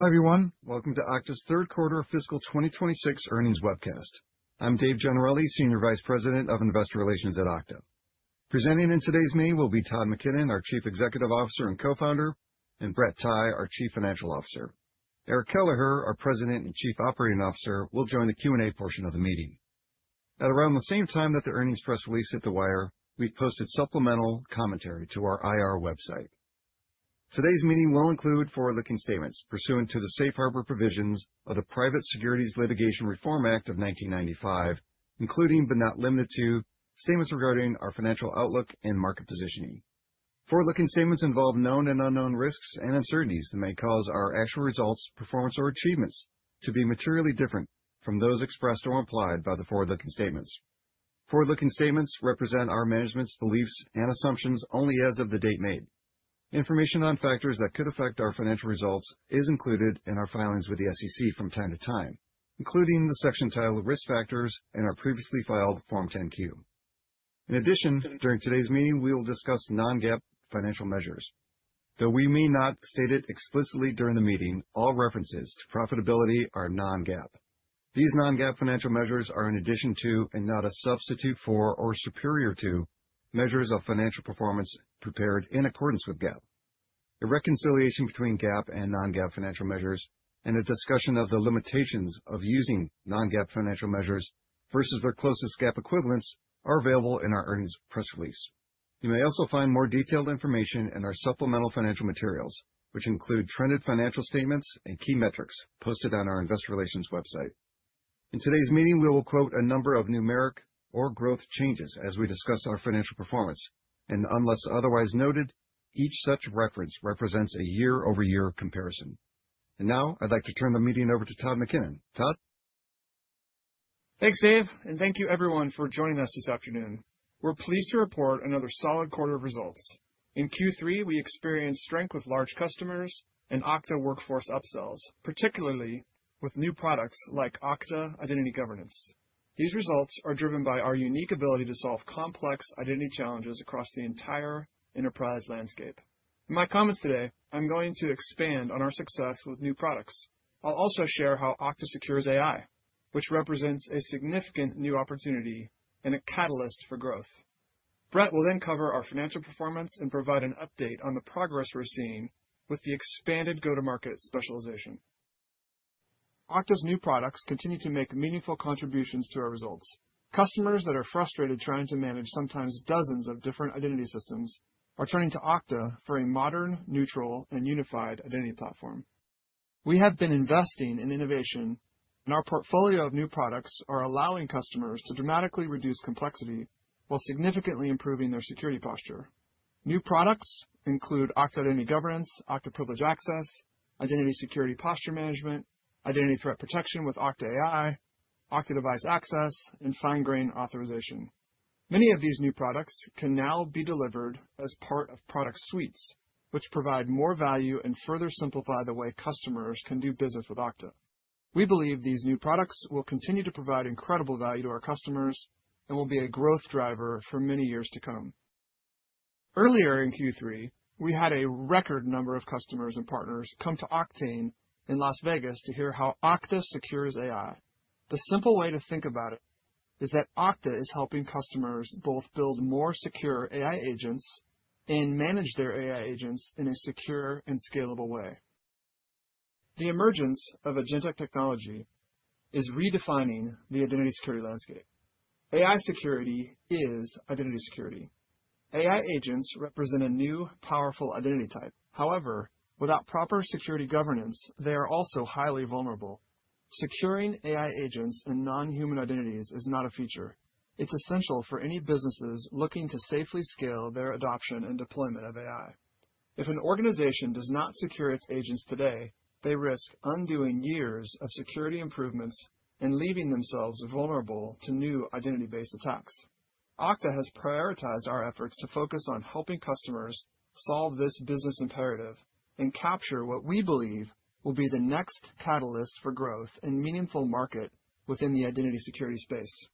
Hello everyone, welcome to Okta's third quarter fiscal 2026 earnings webcast. I'm Dave Gennarelli, Senior Vice President of Investor Relations at Okta. Presenting in today's meeting will be Todd McKinnon, our Chief Executive Officer and Co-founder, and Brett Tighe, our Chief Financial Officer. Eric Kelleher, our President and Chief Operating Officer, will join the Q&A portion of the meeting. At around the same time that the earnings press release hit the wire, we've posted supplemental commentary to our IR website. Today's meeting will include forward-looking statements pursuant to the Safe Harbor Provisions of the Private Securities Litigation Reform Act of 1995, including but not limited to statements regarding our financial outlook and market positioning. Forward-looking statements involve known and unknown risks and uncertainties that may cause our actual results, performance, or achievements to be materially different from those expressed or implied by the forward-looking statements. Forward-looking statements represent our management's beliefs and assumptions only as of the date made. Information on factors that could affect our financial results is included in our filings with the SEC from time to time, including the section titled Risk Factors and our previously filed Form 10-Q. In addition, during today's meeting, we will discuss non-GAAP financial measures. Though we may not state it explicitly during the meeting, all references to profitability are non-GAAP. These non-GAAP financial measures are an addition to and not a substitute for or superior to measures of financial performance prepared in accordance with GAAP. A reconciliation between GAAP and non-GAAP financial measures and a discussion of the limitations of using non-GAAP financial measures versus their closest GAAP equivalents are available in our earnings press release. You may also find more detailed information in our supplemental financial materials, which include trended financial statements and key metrics posted on our Investor Relations website. In today's meeting, we will quote a number of numeric or growth changes as we discuss our financial performance, and unless otherwise noted, each such reference represents a year-over-year comparison, and now I'd like to turn the meeting over to Todd McKinnon. Todd. Thanks, Dave, and thank you everyone for joining us this afternoon. We're pleased to report another solid quarter of results. In Q3, we experienced strength with large customers and Okta workforce upsells, particularly with new products like Okta Identity Governance. These results are driven by our unique ability to solve complex identity challenges across the entire enterprise landscape. In my comments today, I'm going to expand on our success with new products. I'll also share how Okta secures AI, which represents a significant new opportunity and a catalyst for growth. Brett will then cover our financial performance and provide an update on the progress we're seeing with the expanded go-to-market specialization. Okta's new products continue to make meaningful contributions to our results. Customers that are frustrated trying to manage sometimes dozens of different identity systems are turning to Okta for a modern, neutral, and unified identity platform. We have been investing in innovation, and our portfolio of new products are allowing customers to dramatically reduce complexity while significantly improving their security posture. New products include Okta Identity Governance, Okta Privileged Access, Identity Security Posture Management, Identity Threat Protection with Okta AI, Okta Device Access, and Fine-Grained Authorization. Many of these new products can now be delivered as part of product suites, which provide more value and further simplify the way customers can do business with Okta. We believe these new products will continue to provide incredible value to our customers and will be a growth driver for many years to come. Earlier in Q3, we had a record number of customers and partners come to Octane in Las Vegas to hear how Okta secures AI. The simple way to think about it is that Okta is helping customers both build more secure AI agents and manage their AI agents in a secure and scalable way. The emergence of agentic technology is redefining the identity security landscape. AI security is identity security. AI agents represent a new, powerful identity type. However, without proper security governance, they are also highly vulnerable. Securing AI agents and non-human identities is not a feature. It's essential for any businesses looking to safely scale their adoption and deployment of AI. If an organization does not secure its agents today, they risk undoing years of security improvements and leaving themselves vulnerable to new identity-based attacks. Okta has prioritized our efforts to focus on helping customers solve this business imperative and capture what we believe will be the next catalyst for growth and meaningful market within the identity security space.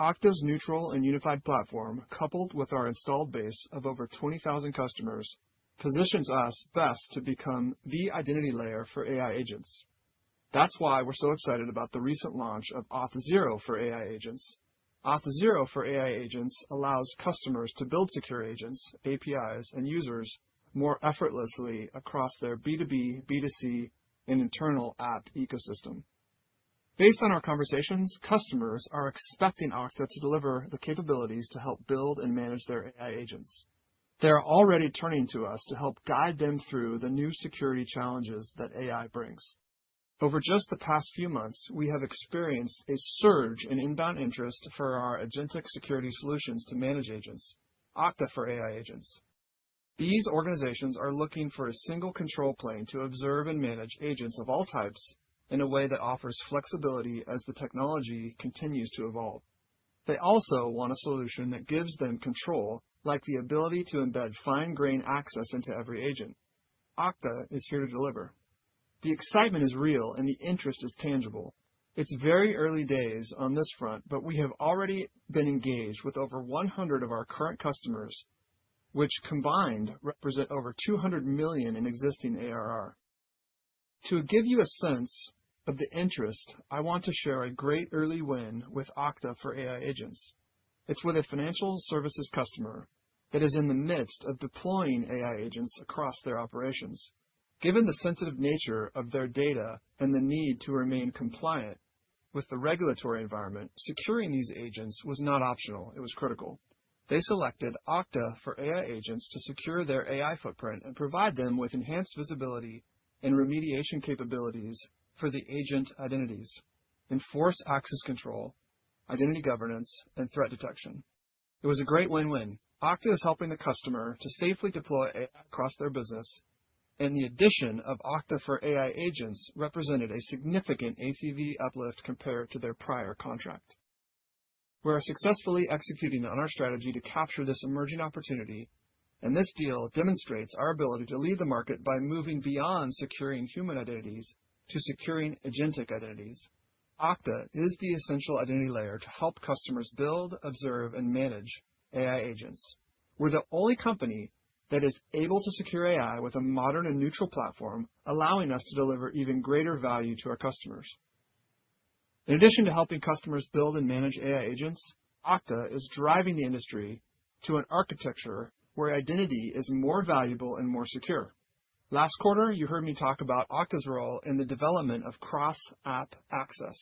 Okta's neutral and unified platform, coupled with our installed base of over 20,000 customers, positions us best to become the identity layer for AI agents. That's why we're so excited about the recent launch of Auth0 for AI Agents. Auth0 for AI Agents allows customers to build secure agents, APIs, and users more effortlessly across their B2B, B2C, and internal app ecosystem. Based on our conversations, customers are expecting Okta to deliver the capabilities to help build and manage their AI agents. They're already turning to us to help guide them through the new security challenges that AI brings. Over just the past few months, we have experienced a surge in inbound interest for our agentic security solutions to manage agents, Okta for AI Agents. These organizations are looking for a single control plane to observe and manage agents of all types in a way that offers flexibility as the technology continues to evolve. They also want a solution that gives them control, like the ability to embed fine-grained access into every agent. Okta is here to deliver. The excitement is real, and the interest is tangible. It's very early days on this front, but we have already been engaged with over 100 of our current customers, which combined represent over $200 million in existing ARR. To give you a sense of the interest, I want to share a great early win with Okta for AI agents. It's with a financial services customer that is in the midst of deploying AI agents across their operations. Given the sensitive nature of their data and the need to remain compliant with the regulatory environment, securing these agents was not optional. It was critical. They selected Okta for AI agents to secure their AI footprint and provide them with enhanced visibility and remediation capabilities for the agent identities, enforce access control, identity governance, and threat detection. It was a great win-win. Okta is helping the customer to safely deploy AI across their business, and the addition of Okta for AI agents represented a significant ACV uplift compared to their prior contract. We're successfully executing on our strategy to capture this emerging opportunity, and this deal demonstrates our ability to lead the market by moving beyond securing human identities to securing agentic identities. Okta is the essential identity layer to help customers build, observe, and manage AI agents. We're the only company that is able to secure AI with a modern and neutral platform, allowing us to deliver even greater value to our customers. In addition to helping customers build and manage AI agents, Okta is driving the industry to an architecture where identity is more valuable and more secure. Last quarter, you heard me talk about Okta's role in the development of Cross-app Access,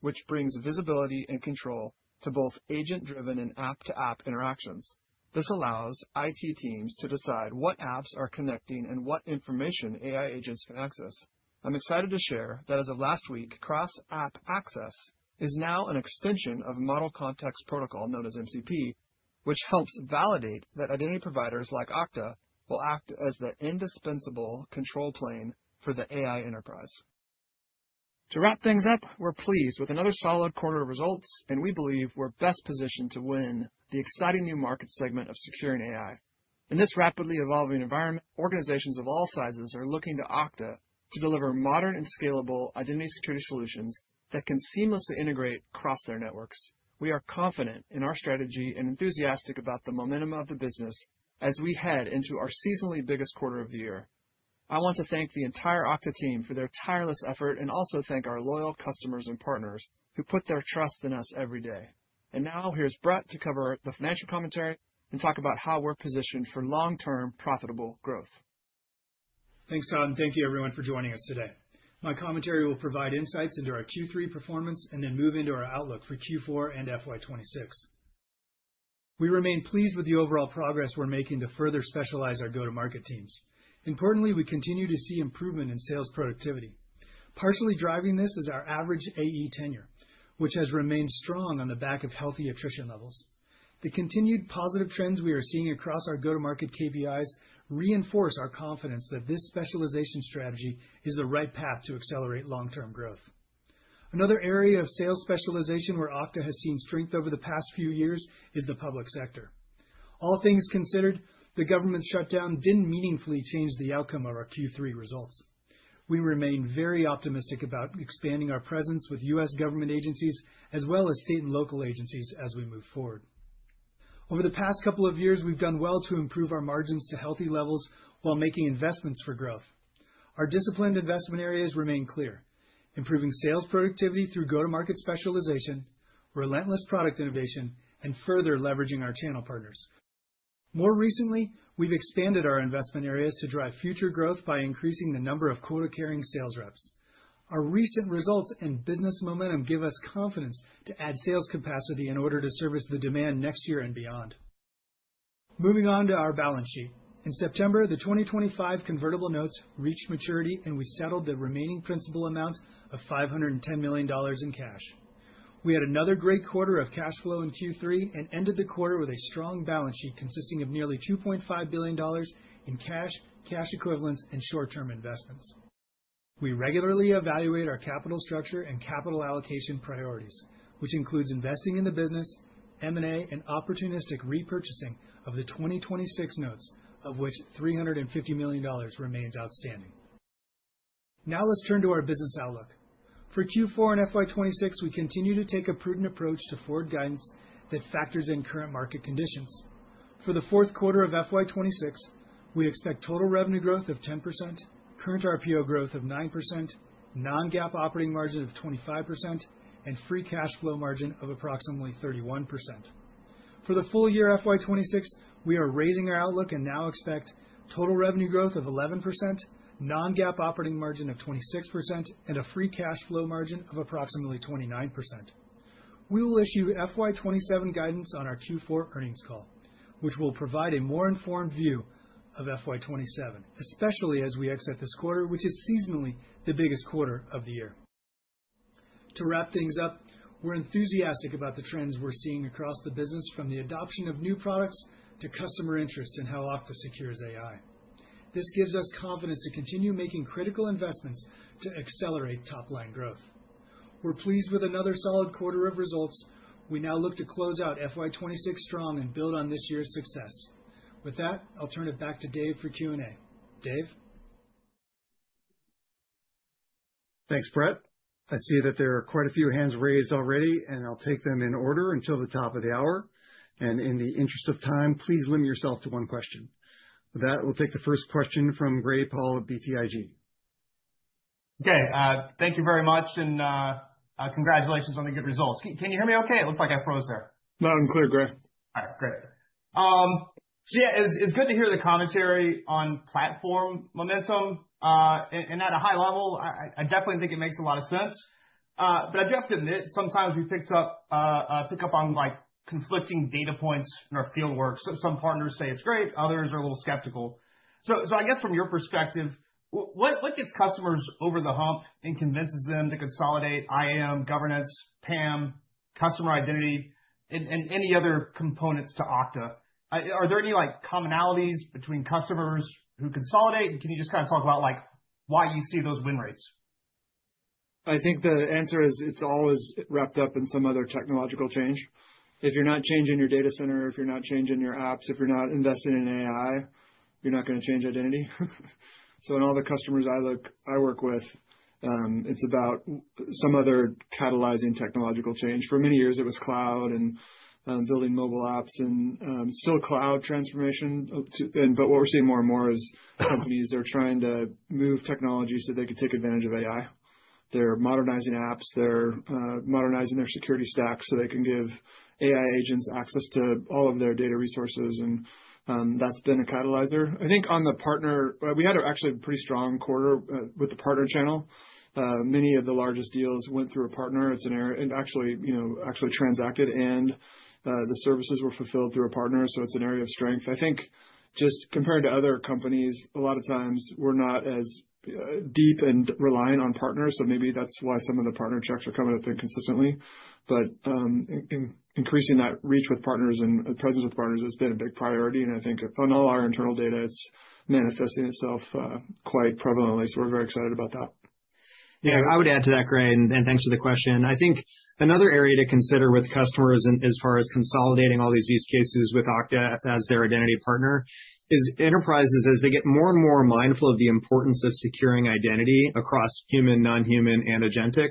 which brings visibility and control to both agent-driven and app-to-app interactions. This allows IT teams to decide what apps are connecting and what information AI agents can access. I'm excited to share that as of last week, Cross-app Access is now an extension of Model Context Protocol known as MCP, which helps validate that identity providers like Okta will act as the indispensable control plane for the AI enterprise. To wrap things up, we're pleased with another solid quarter of results, and we believe we're best positioned to win the exciting new market segment of securing AI. In this rapidly evolving environment, organizations of all sizes are looking to Okta to deliver modern and scalable identity security solutions that can seamlessly integrate across their networks. We are confident in our strategy and enthusiastic about the momentum of the business as we head into our seasonally biggest quarter of the year. I want to thank the entire Okta team for their tireless effort and also thank our loyal customers and partners who put their trust in us every day. And now here's Brett to cover the financial commentary and talk about how we're positioned for long-term profitable growth. Thanks, Todd, and thank you everyone for joining us today. My commentary will provide insights into our Q3 performance and then move into our outlook for Q4 and FY 2026. We remain pleased with the overall progress we're making to further specialize our go-to-market teams. Importantly, we continue to see improvement in sales productivity. Partially driving this is our average AE tenure, which has remained strong on the back of healthy attrition levels. The continued positive trends we are seeing across our go-to-market KPIs reinforce our confidence that this specialization strategy is the right path to accelerate long-term growth. Another area of sales specialization where Okta has seen strength over the past few years is the public sector. All things considered, the government shutdown didn't meaningfully change the outcome of our Q3 results. We remain very optimistic about expanding our presence with U.S. Government agencies as well as state and local agencies as we move forward. Over the past couple of years, we've done well to improve our margins to healthy levels while making investments for growth. Our disciplined investment areas remain clear, improving sales productivity through go-to-market specialization, relentless product innovation, and further leveraging our channel partners. More recently, we've expanded our investment areas to drive future growth by increasing the number of quota-carrying sales reps. Our recent results and business momentum give us confidence to add sales capacity in order to service the demand next year and beyond. Moving on to our balance sheet. In September, the 2025 convertible notes reached maturity, and we settled the remaining principal amount of $510 million in cash. We had another great quarter of cash flow in Q3 and ended the quarter with a strong balance sheet consisting of nearly $2.5 billion in cash, cash equivalents, and short-term investments. We regularly evaluate our capital structure and capital allocation priorities, which includes investing in the business, M&A, and opportunistic repurchasing of the 2026 notes, of which $350 million remains outstanding. Now let's turn to our business outlook. For Q4 and FY 2026, we continue to take a prudent approach to forward guidance that factors in current market conditions. For the fourth quarter of FY 2026, we expect total revenue growth of 10%, current RPO growth of 9%, non-GAAP operating margin of 25%, and free cash flow margin of approximately 31%. For the full year FY 2026, we are raising our outlook and now expect total revenue growth of 11%, non-GAAP operating margin of 26%, and a free cash flow margin of approximately 29%. We will issue FY 2027 guidance on our Q4 earnings call, which will provide a more informed view of FY 2027, especially as we exit this quarter, which is seasonally the biggest quarter of the year. To wrap things up, we're enthusiastic about the trends we're seeing across the business, from the adoption of new products to customer interest in how Okta secures AI. This gives us confidence to continue making critical investments to accelerate top-line growth. We're pleased with another solid quarter of results. We now look to close out FY 2026 strong and build on this year's success. With that, I'll turn it back to Dave for Q&A. Dave. Thanks, Brett. I see that there are quite a few hands raised already, and I'll take them in order until the top of the hour. And in the interest of time, please limit yourself to one question. With that, we'll take the first question from Gray Powell of BTIG. Okay. Thank you very much, and congratulations on the good results. Can you hear me okay? It looks like I froze there. Loud and clear, Gray. All right. Great. So yeah, it's good to hear the commentary on platform momentum. And at a high level, I definitely think it makes a lot of sense. But I do have to admit, sometimes we picked up on conflicting data points in our fieldwork. Some partners say it's great. Others are a little skeptical. So I guess from your perspective, what gets customers over the hump and convinces them to consolidate IAM, governance, PAM, customer identity, and any other components to Okta? Are there any commonalities between customers who consolidate? And can you just kind of talk about why you see those win rates? I think the answer is it's always wrapped up in some other technological change. If you're not changing your data center, if you're not changing your apps, if you're not investing in AI, you're not going to change identity. So in all the customers I work with, it's about some other catalyzing technological change. For many years, it was cloud and building mobile apps and still cloud transformation. But what we're seeing more and more is companies are trying to move technology so they can take advantage of AI. They're modernizing apps. They're modernizing their security stack so they can give AI agents access to all of their data resources. And that's been a catalyst. I think on the partner, we had actually a pretty strong quarter with the partner channel. Many of the largest deals went through a partner. It's an area and actually transacted, and the services were fulfilled through a partner. So it's an area of strength. I think just compared to other companies, a lot of times we're not as deep and reliant on partners. So maybe that's why some of the partner checks are coming up inconsistently. But increasing that reach with partners and presence with partners has been a big priority. And I think on all our internal data, it's manifesting itself quite prevalently. So we're very excited about that. Yeah, I would add to that, Gray, and thanks for the question. I think another area to consider with customers as far as consolidating all these use cases with Okta as their identity partner is enterprises, as they get more and more mindful of the importance of securing identity across human, non-human, and agentic.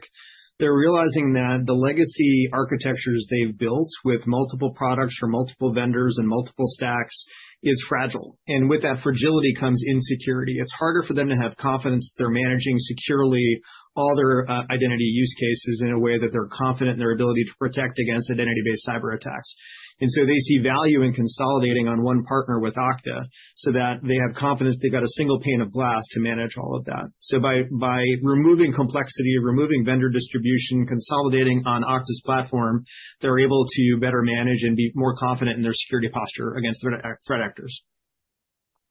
They're realizing that the legacy architectures they've built with multiple products from multiple vendors and multiple stacks is fragile. And with that fragility comes insecurity. It's harder for them to have confidence that they're managing securely all their identity use cases in a way that they're confident in their ability to protect against identity-based cyber attacks. And so they see value in consolidating on one partner with Okta so that they have confidence they've got a single pane of glass to manage all of that. By removing complexity, removing vendor distribution, consolidating on Okta's platform, they're able to better manage and be more confident in their security posture against threat actors.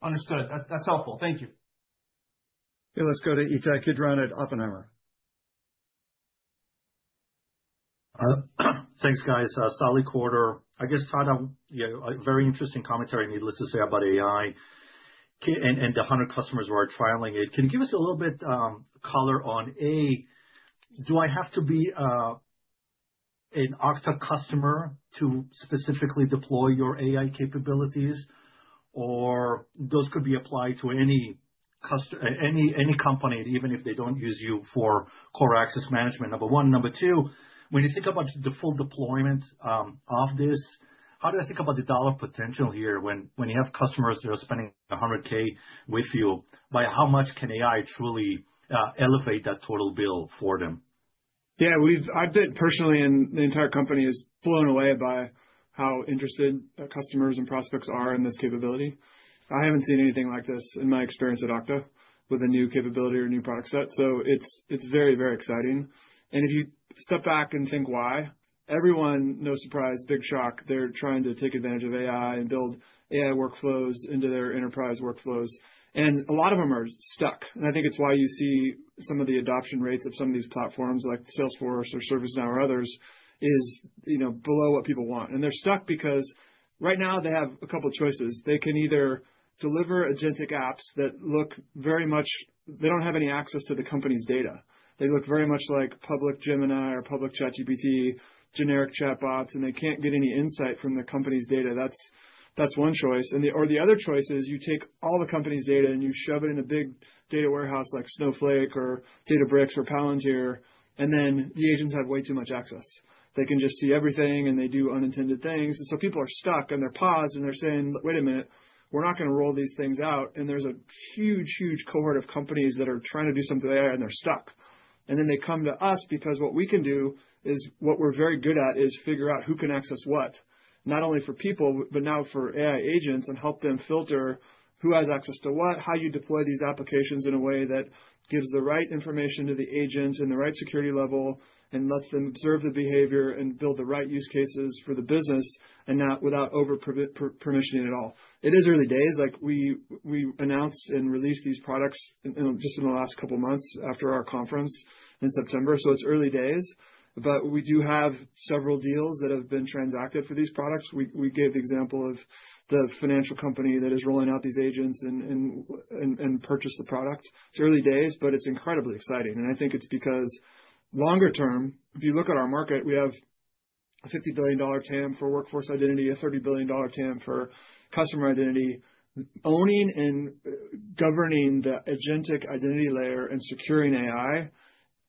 Understood. That's helpful. Thank you. Okay, let's go to Ittai Kidron at Oppenheimer. Thanks, guys. Solid quarter. I guess, Todd, a very interesting commentary, needless to say, about AI and the 100 customers who are trialing it. Can you give us a little bit of color on, A, do I have to be an Okta customer to specifically deploy your AI capabilities? Or those could be applied to any company, even if they don't use you for core access management, number one. Number two, when you think about the full deployment of this, how do I think about the dollar potential here when you have customers that are spending $100,000 with you? By how much can AI truly elevate that total bill for them? Yeah, I've personally, and the entire company, is blown away by how interested customers and prospects are in this capability. I haven't seen anything like this in my experience at Okta with a new capability or new product set. So it's very, very exciting. And if you step back and think why, everyone, no surprise, big shock, they're trying to take advantage of AI and build AI workflows into their enterprise workflows. And a lot of them are stuck. And I think it's why you see some of the adoption rates of some of these platforms like Salesforce or ServiceNow or others is below what people want. And they're stuck because right now they have a couple of choices. They can either deliver agentic apps that look very much they don't have any access to the company's data. They look very much like public Gemini or public ChatGPT, generic chatbots, and they can't get any insight from the company's data. That's one choice. Or the other choice is you take all the company's data and you shove it in a big data warehouse like Snowflake or Databricks or Palantir, and then the agents have way too much access. They can just see everything and they do unintended things. And so people are stuck and they're paused and they're saying, "Wait a minute, we're not going to roll these things out." And there's a huge, huge cohort of companies that are trying to do something with AI and they're stuck. And then they come to us because what we can do is what we're very good at is figure out who can access what, not only for people, but now for AI agents and help them filter who has access to what, how you deploy these applications in a way that gives the right information to the agent and the right security level and lets them observe the behavior and build the right use cases for the business and not without over-permissioning at all. It is early days. We announced and released these products just in the last couple of months after our conference in September. So it's early days. But we do have several deals that have been transacted for these products. We gave the example of the financial company that is rolling out these agents and purchased the product. It's early days, but it's incredibly exciting. I think it's because longer term, if you look at our market, we have a $50 billion TAM for workforce identity, a $30 billion TAM for customer identity. Owning and governing the agentic identity layer and securing AI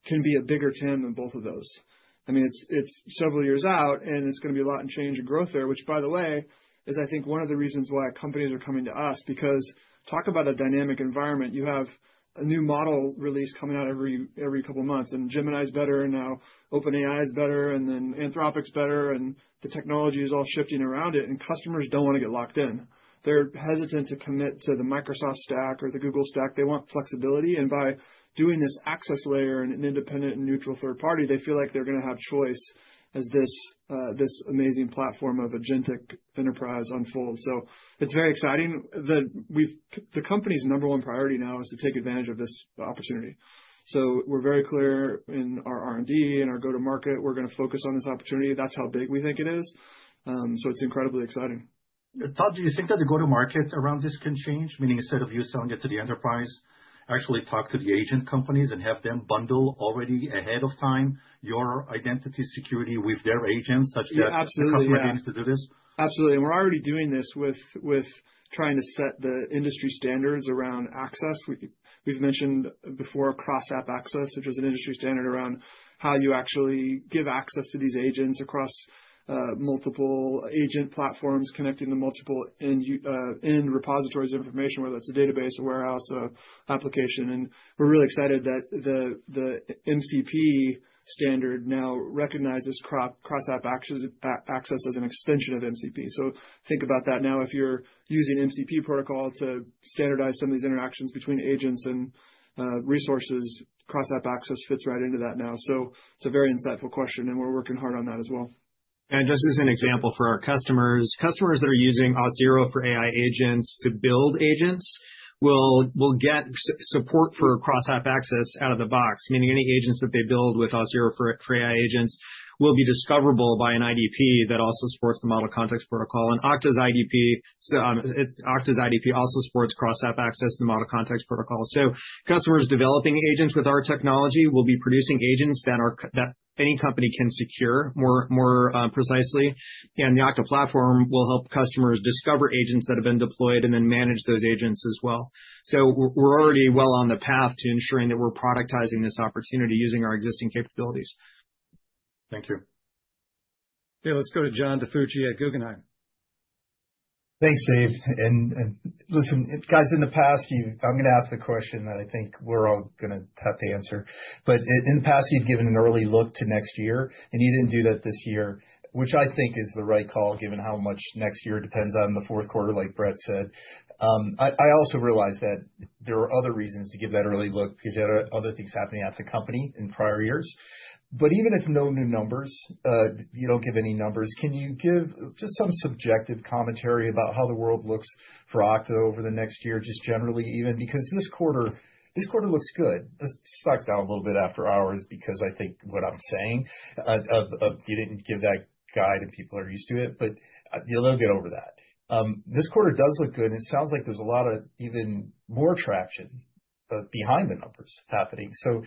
can be a bigger TAM than both of those. I mean, it's several years out and it's going to be a lot of change and growth there, which by the way, is I think one of the reasons why companies are coming to us because talk about a dynamic environment. You have a new model release coming out every couple of months and Gemini is better and now OpenAI is better and then Anthropic is better and the technology is all shifting around it and customers don't want to get locked in. They're hesitant to commit to the Microsoft stack or the Google stack. They want flexibility. By doing this access layer and an independent and neutral third party, they feel like they're going to have choice as this amazing platform of agentic enterprise unfolds. It's very exciting. The company's number one priority now is to take advantage of this opportunity. We're very clear in our R&D and our go-to-market. We're going to focus on this opportunity. That's how big we think it is. It's incredibly exciting. Todd, do you think that the go-to-market around this can change, meaning instead of you selling it to the enterprise, actually talk to the agent companies and have them bundle already ahead of time your identity security with their agents such that the customer doesn't have to do this? Absolutely. And we're already doing this with trying to set the industry standards around access. We've mentioned before Cross-App Access, which is an industry standard around how you actually give access to these agents across multiple agent platforms connecting to multiple end repositories of information, whether it's a database, a warehouse, or application. And we're really excited that the MCP standard now recognizes Cross-App Access as an extension of MCP. So think about that now. If you're using MCP protocol to standardize some of these interactions between agents and resources, Cross-App Access fits right into that now. So it's a very insightful question, and we're working hard on that as well. Just as an example for our customers, customers that are using Auth0 for AI Agents to build agents will get support for cross-app access out of the box, meaning any agents that they build with Auth0 for AI Agents will be discoverable by an IdP that also supports the Model Context Protocol. Okta's IdP also supports cross-app access to the Model Context Protocol. Customers developing agents with our technology will be producing agents that any company can secure more precisely. The Okta platform will help customers discover agents that have been deployed and then manage those agents as well. We're already well on the path to ensuring that we're productizing this opportunity using our existing capabilities. Thank you. Yeah, let's go to John DiFucci at Guggenheim. Thanks, Dave. And listen, guys, in the past, I'm going to ask the question that I think we're all going to have to answer. But in the past, you've given an early look to next year, and you didn't do that this year, which I think is the right call given how much next year depends on the fourth quarter, like Brett said. I also realize that there are other reasons to give that early look because you had other things happening at the company in prior years. But even if no new numbers, you don't give any numbers, can you give just some subjective commentary about how the world looks for Okta over the next year, just generally even? Because this quarter looks good. This sucks down a little bit after hours because I think what I'm saying, you didn't give that guide and people are used to it, but they'll get over that. This quarter does look good, and it sounds like there's a lot of even more traction behind the numbers happening. So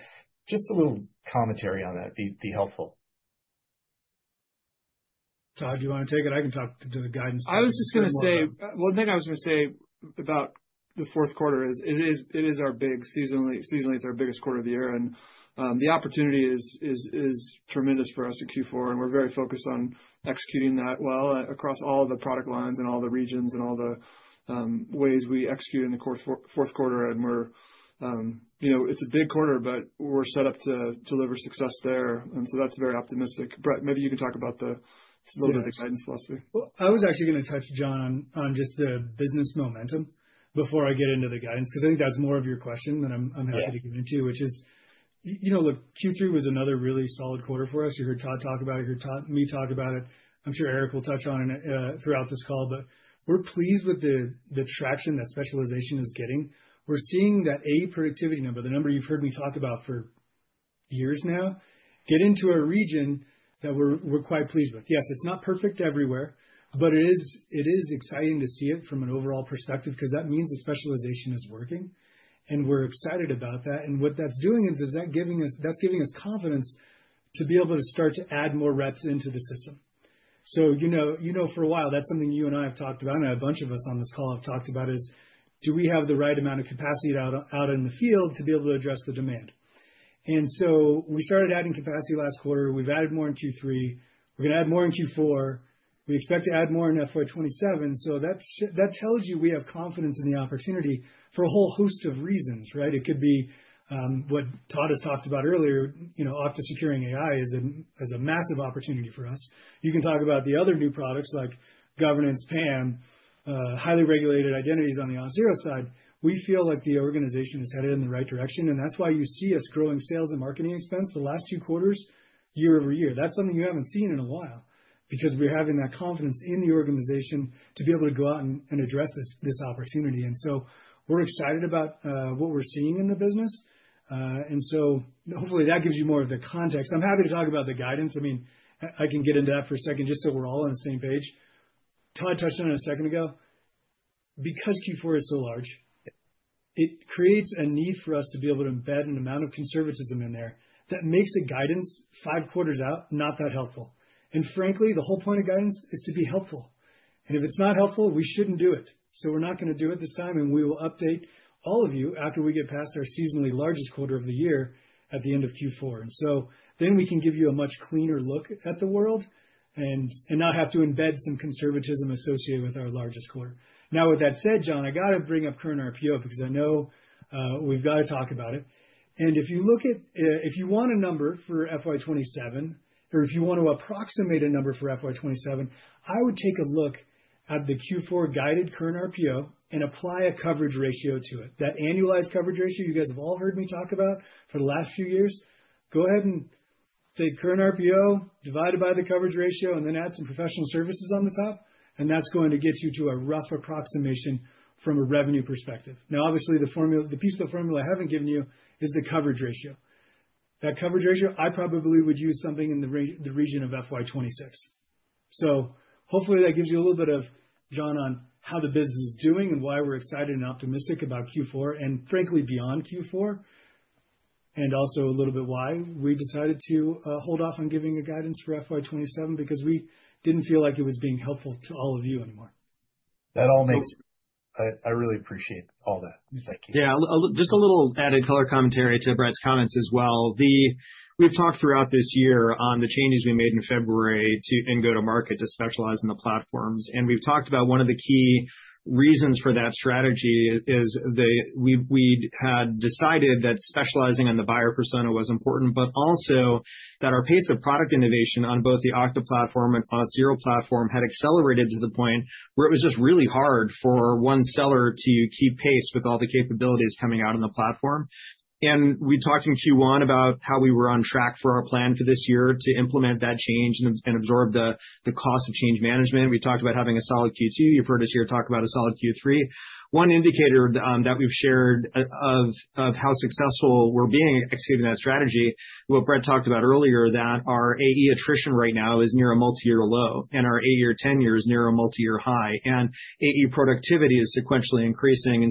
just a little commentary on that would be helpful. Todd, do you want to take it? I can talk to the guidance. I was just going to say, one thing I was going to say about the fourth quarter is it is our big, seasonally. Seasonally, it's our biggest quarter of the year. The opportunity is tremendous for us at Q4, and we're very focused on executing that well across all of the product lines and all the regions and all the ways we execute in the fourth quarter. It's a big quarter, but we're set up to deliver success there, and so that's very optimistic. Brett, maybe you can talk about a little bit of the guidance philosophy. I was actually going to touch John on just the business momentum before I get into the guidance because I think that's more of your question than I'm happy to get into, which is, look, Q3 was another really solid quarter for us. You heard Todd talk about it. You heard me talk about it. I'm sure Eric will touch on it throughout this call. But we're pleased with the traction that specialization is getting. We're seeing that AE productivity number, the number you've heard me talk about for years now, get into a region that we're quite pleased with. Yes, it's not perfect everywhere, but it is exciting to see it from an overall perspective because that means the specialization is working. And we're excited about that. And what that's doing is that's giving us confidence to be able to start to add more reps into the system. So you know for a while, that's something you and I have talked about, and a bunch of us on this call have talked about, is do we have the right amount of capacity out in the field to be able to address the demand? And so we started adding capacity last quarter. We've added more in Q3. We're going to add more in Q4. We expect to add more in FY 2027. So that tells you we have confidence in the opportunity for a whole host of reasons, right? It could be what Todd has talked about earlier. Okta securing AI is a massive opportunity for us. You can talk about the other new products like governance, PAM, highly regulated identities on the Auth0 side. We feel like the organization is headed in the right direction. That's why you see us growing sales and marketing expense the last two quarters year-over-year. That's something you haven't seen in a while because we're having that confidence in the organization to be able to go out and address this opportunity. So we're excited about what we're seeing in the business. So hopefully that gives you more of the context. I'm happy to talk about the guidance. I mean, I can get into that for a second just so we're all on the same page. Todd touched on it a second ago. Because Q4 is so large, it creates a need for us to be able to embed an amount of conservatism in there that makes a guidance five quarters out not that helpful. Frankly, the whole point of guidance is to be helpful. If it's not helpful, we shouldn't do it. So we're not going to do it this time. And we will update all of you after we get past our seasonally largest quarter of the year at the end of Q4. And so then we can give you a much cleaner look at the world and not have to embed some conservatism associated with our largest quarter. Now, with that said, John, I got to bring up current RPO because I know we've got to talk about it. And if you look at, if you want a number for FY 2027, or if you want to approximate a number for FY 2027, I would take a look at the Q4 guided current RPO and apply a coverage ratio to it. That annualized coverage ratio, you guys have all heard me talk about for the last few years. Go ahead and take current RPO, divide it by the coverage ratio, and then add some professional services on the top. And that's going to get you to a rough approximation from a revenue perspective. Now, obviously, the piece of the formula I haven't given you is the coverage ratio. That coverage ratio, I probably would use something in the region of FY 2026. So hopefully that gives you a little bit of, John, on how the business is doing and why we're excited and optimistic about Q4 and frankly beyond Q4, and also a little bit why we decided to hold off on giving a guidance for FY 2027 because we didn't feel like it was being helpful to all of you anymore. That all makes sense. I really appreciate all that. Thank you. Yeah, just a little added color commentary to Brett's comments as well. We've talked throughout this year on the changes we made in February and go to market to specialize in the platforms. And we've talked about one of the key reasons for that strategy is we had decided that specializing on the buyer persona was important, but also that our pace of product innovation on both the Okta platform and Auth0 platform had accelerated to the point where it was just really hard for one seller to keep pace with all the capabilities coming out on the platform. And we talked in Q1 about how we were on track for our plan for this year to implement that change and absorb the cost of change management. We talked about having a solid Q2. You've heard us here talk about a solid Q3. One indicator that we've shared of how successful we're being executing that strategy, what Brett talked about earlier, that our AE attrition right now is near a multi-year low and our eight-year, ten-year is near a multi-year high. AE productivity is sequentially increasing.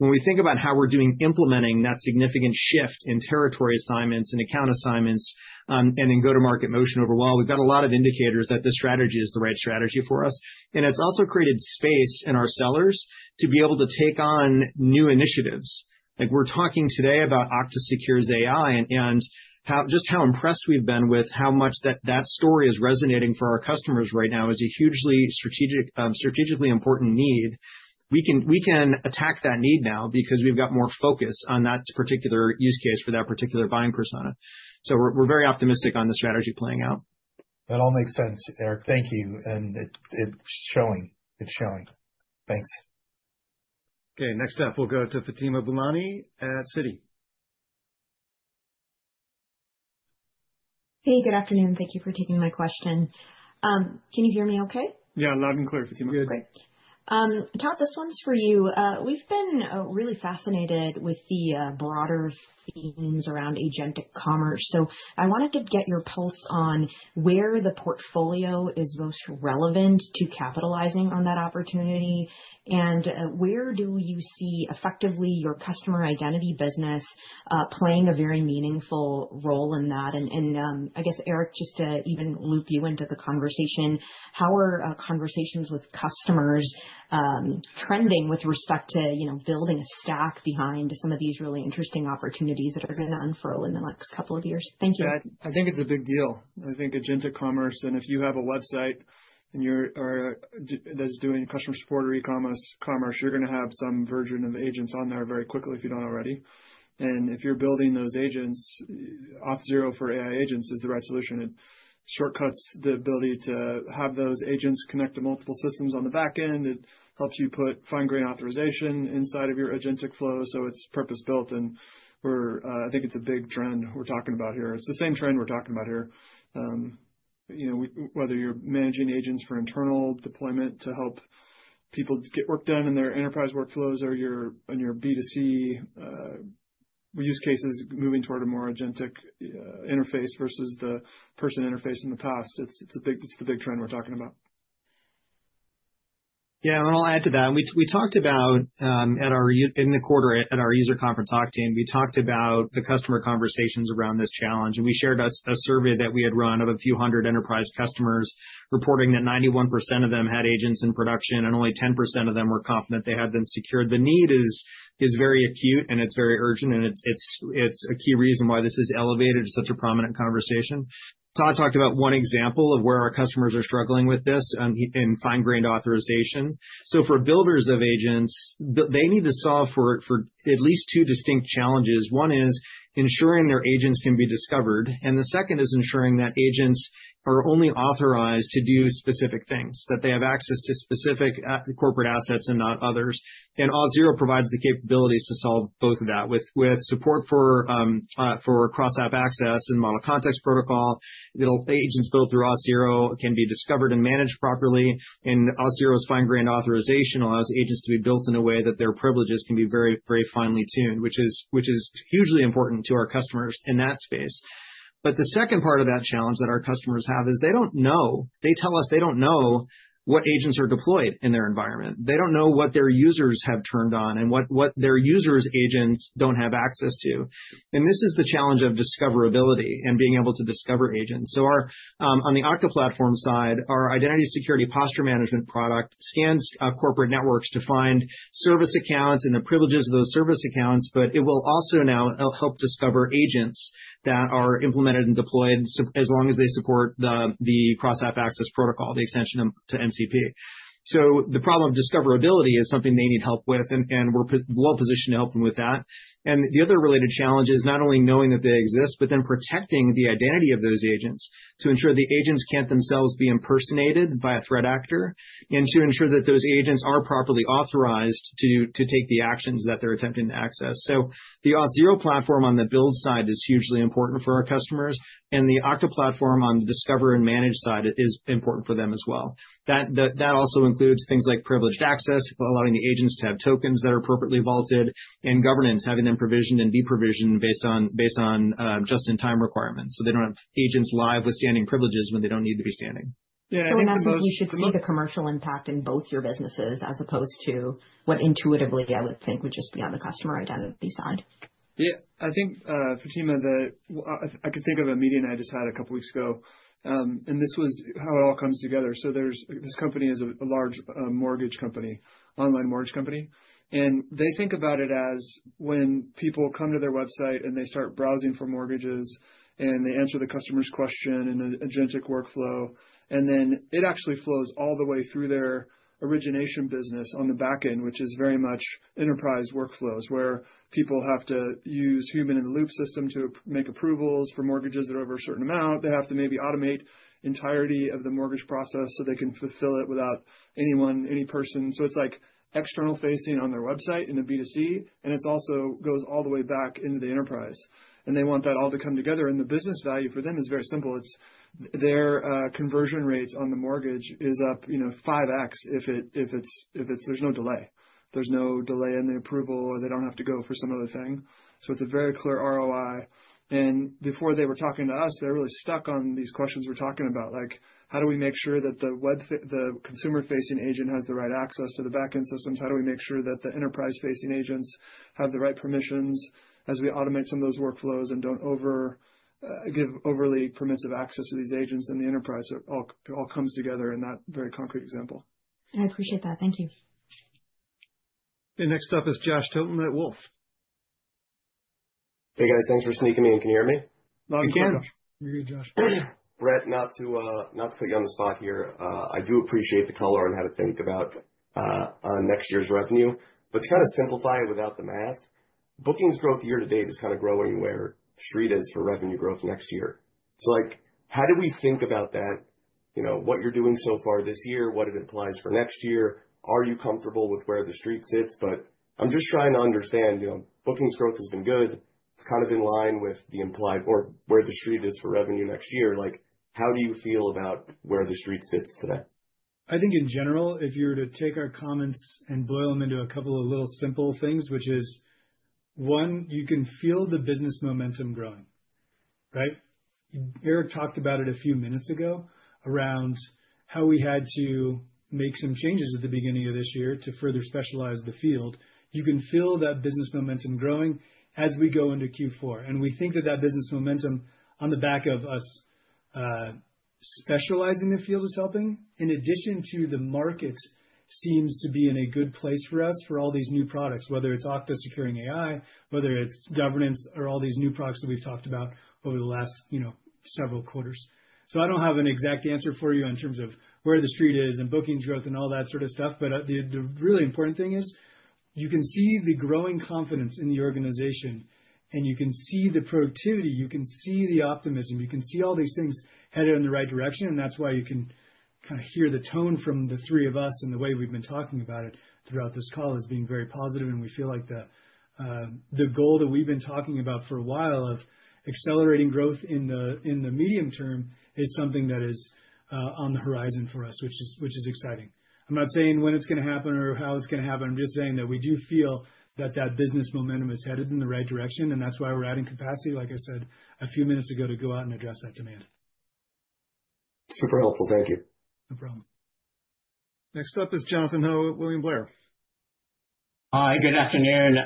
When we think about how we're doing implementing that significant shift in territory assignments and account assignments and in go-to-market motion overall, we've got a lot of indicators that this strategy is the right strategy for us. It's also created space in our sellers to be able to take on new initiatives. We're talking today about Okta Secure AI and just how impressed we've been with how much that story is resonating for our customers right now is a hugely strategically important need. We can attack that need now because we've got more focus on that particular use case for that particular buying persona, so we're very optimistic on the strategy playing out. That all makes sense, Eric. Thank you. And it's showing. It's showing. Thanks. Okay. Next up, we'll go to Fatima Boolani at Citi. Hey, good afternoon. Thank you for taking my question. Can you hear me okay? Yeah, loud and clear, Fatima. Good. Todd, this one's for you. We've been really fascinated with the broader themes around agentic commerce. So I wanted to get your pulse on where the portfolio is most relevant to capitalizing on that opportunity. And where do you see effectively your customer identity business playing a very meaningful role in that? And I guess, Eric, just to even loop you into the conversation, how are conversations with customers trending with respect to building a stack behind some of these really interesting opportunities that are going to unfurl in the next couple of years? Thank you. I think it's a big deal. I think agentic commerce, and if you have a website that's doing customer support or e-commerce, you're going to have some version of agents on there very quickly if you don't already. And if you're building those agents, Auth0 for AI Agents is the right solution. It shortcuts the ability to have those agents connect to multiple systems on the back end. It helps you put fine-grained authorization inside of your agentic flow. So it's purpose-built. And I think it's a big trend we're talking about here. It's the same trend we're talking about here. Whether you're managing agents for internal deployment to help people get work done in their enterprise workflows or your B2C use cases moving toward a more agentic interface versus the person interface in the past, it's the big trend we're talking about. Yeah. And I'll add to that. We talked about in the quarter at our user conference, the Okta team. We talked about the customer conversations around this challenge. And we shared a survey that we had run of a few hundred enterprise customers reporting that 91% of them had agents in production and only 10% of them were confident they had them secured. The need is very acute and it's very urgent. And it's a key reason why this is elevated to such a prominent conversation. Todd talked about one example of where our customers are struggling with this in fine-grained authorization. So for builders of agents, they need to solve for at least two distinct challenges. One is ensuring their agents can be discovered. And the second is ensuring that agents are only authorized to do specific things, that they have access to specific corporate assets and not others. Auth0 provides the capabilities to solve both of that. With support for cross-app access and Model Context Protocol, agents built through Auth0 can be discovered and managed properly. Auth0's fine-grained authorization allows agents to be built in a way that their privileges can be very, very finely tuned, which is hugely important to our customers in that space. The second part of that challenge that our customers have is they don't know. They tell us they don't know what agents are deployed in their environment. They don't know what their users have turned on and what their users' agents don't have access to. This is the challenge of discoverability and being able to discover agents. So on the Okta platform side, our Identity Security Posture Management product scans corporate networks to find service accounts and the privileges of those service accounts, but it will also now help discover agents that are implemented and deployed as long as they support the cross-app access protocol, the extension to MCP. So the problem of discoverability is something they need help with, and we're well-positioned to help them with that. And the other related challenge is not only knowing that they exist, but then protecting the identity of those agents to ensure the agents can't themselves be impersonated by a threat actor and to ensure that those agents are properly authorized to take the actions that they're attempting to access. So the Auth0 platform on the build side is hugely important for our customers. The Okta platform on the discover and manage side is important for them as well. That also includes things like privileged access, allowing the agents to have tokens that are appropriately vaulted, and governance, having them provisioned and de-provisioned based on just-in-time requirements. They don't have agents live with standing privileges when they don't need to be standing. Yeah. And I think you should see the commercial impact in both your businesses as opposed to what intuitively I would think would just be on the customer identity side. Yeah. I think, Fatima, I could think of a meeting I just had a couple of weeks ago. And this was how it all comes together. So this company is a large mortgage company, online mortgage company. And they think about it as when people come to their website and they start browsing for mortgages and they answer the customer's question in an agentic workflow. And then it actually flows all the way through their origination business on the back end, which is very much enterprise workflows where people have to use human-in-the-loop system to make approvals for mortgages that are over a certain amount. They have to maybe automate the entirety of the mortgage process so they can fulfill it without anyone, any person. So it's like external facing on their website in the B2C, and it also goes all the way back into the enterprise. And they want that all to come together. And the business value for them is very simple. Their conversion rates on the mortgage is up 5x if there's no delay. There's no delay in the approval, or they don't have to go for some other thing. So it's a very clear ROI. And before they were talking to us, they were really stuck on these questions we're talking about. Like, how do we make sure that the consumer-facing agent has the right access to the back-end systems? How do we make sure that the enterprise-facing agents have the right permissions as we automate some of those workflows and don't give overly permissive access to these agents? And the enterprise all comes together in that very concrete example. I appreciate that. Thank you. Okay. Next up is Josh Tilton at Wolfe. Hey, guys. Thanks for sneaking me in. Can you hear me? Loud and clear. You're good, Josh. Brett, not to put you on the spot here, I do appreciate the color on how to think about next year's revenue. But to kind of simplify it without the math, bookings growth year to date is kind of growing where the street is for revenue growth next year. So how do we think about that? What you're doing so far this year, what it implies for next year, are you comfortable with where the street sits? But I'm just trying to understand. Bookings growth has been good. It's kind of in line with the implied or where the street is for revenue next year. How do you feel about where the street sits today? I think in general, if you were to take our comments and boil them into a couple of little simple things, which is, one, you can feel the business momentum growing. Right? Eric talked about it a few minutes ago around how we had to make some changes at the beginning of this year to further specialize the field. You can feel that business momentum growing as we go into Q4. And we think that that business momentum on the back of us specializing in the field is helping. In addition to the market seems to be in a good place for us for all these new products, whether it's Okta securing AI, whether it's governance, or all these new products that we've talked about over the last several quarters. So I don't have an exact answer for you in terms of where the street is and bookings growth and all that sort of stuff. But the really important thing is you can see the growing confidence in the organization, and you can see the productivity. You can see the optimism. You can see all these things headed in the right direction. And that's why you can kind of hear the tone from the three of us and the way we've been talking about it throughout this call is being very positive. And we feel like the goal that we've been talking about for a while of accelerating growth in the medium term is something that is on the horizon for us, which is exciting. I'm not saying when it's going to happen or how it's going to happen. I'm just saying that we do feel that that business momentum is headed in the right direction, and that's why we're adding capacity, like I said a few minutes ago, to go out and address that demand. Super helpful. Thank you. Next up is Jonathan Ho, William Blair. Hi. Good afternoon.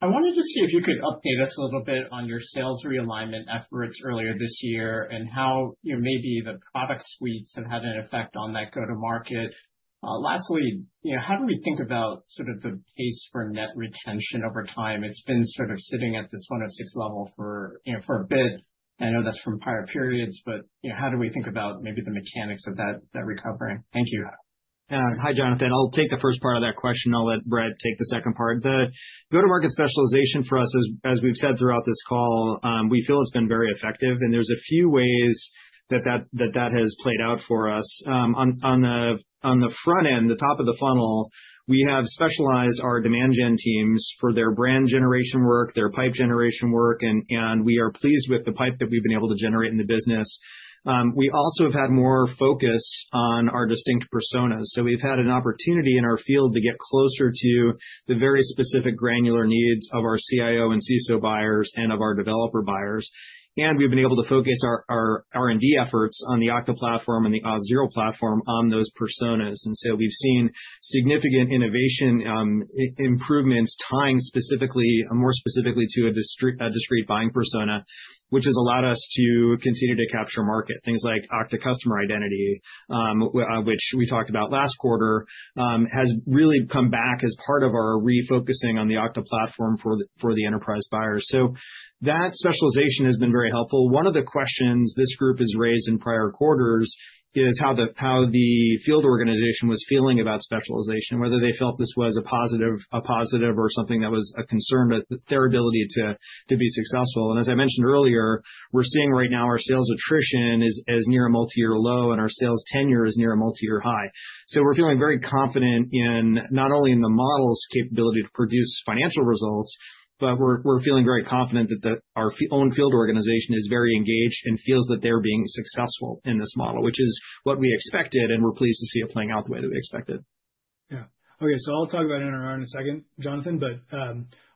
I wanted to see if you could update us a little bit on your sales realignment efforts earlier this year and how maybe the product suites have had an effect on that go-to-market. Lastly, how do we think about sort of the pace for net retention over time? It's been sort of sitting at this 106% level for a bit. I know that's from prior periods, but how do we think about maybe the mechanics of that recovery? Thank you. Hi, Jonathan. I'll take the first part of that question. I'll let Brett take the second part. The go-to-market specialization for us, as we've said throughout this call, we feel it's been very effective, and there's a few ways that that has played out for us. On the front end, the top of the funnel, we have specialized our demand gen teams for their brand generation work, their pipe generation work, and we are pleased with the pipe that we've been able to generate in the business. We also have had more focus on our distinct personas, so we've had an opportunity in our field to get closer to the very specific granular needs of our CIO and CISO buyers and of our developer buyers, and we've been able to focus our R&D efforts on the Okta platform and the Auth0 platform on those personas. And so we've seen significant innovation improvements tying specifically more specifically to a discrete buying persona, which has allowed us to continue to capture market. Things like Okta customer identity, which we talked about last quarter, has really come back as part of our refocusing on the Okta platform for the enterprise buyers. So that specialization has been very helpful. One of the questions this group has raised in prior quarters is how the field organization was feeling about specialization, whether they felt this was a positive or something that was a concern about their ability to be successful. And as I mentioned earlier, we're seeing right now our sales attrition is near a multi-year low, and our sales tenure is near a multi-year high. We're feeling very confident in not only the model's capability to produce financial results, but we're feeling very confident that our own field organization is very engaged and feels that they're being successful in this model, which is what we expected, and we're pleased to see it playing out the way that we expected. Yeah. Okay. So I'll talk about it in a second, Jonathan. But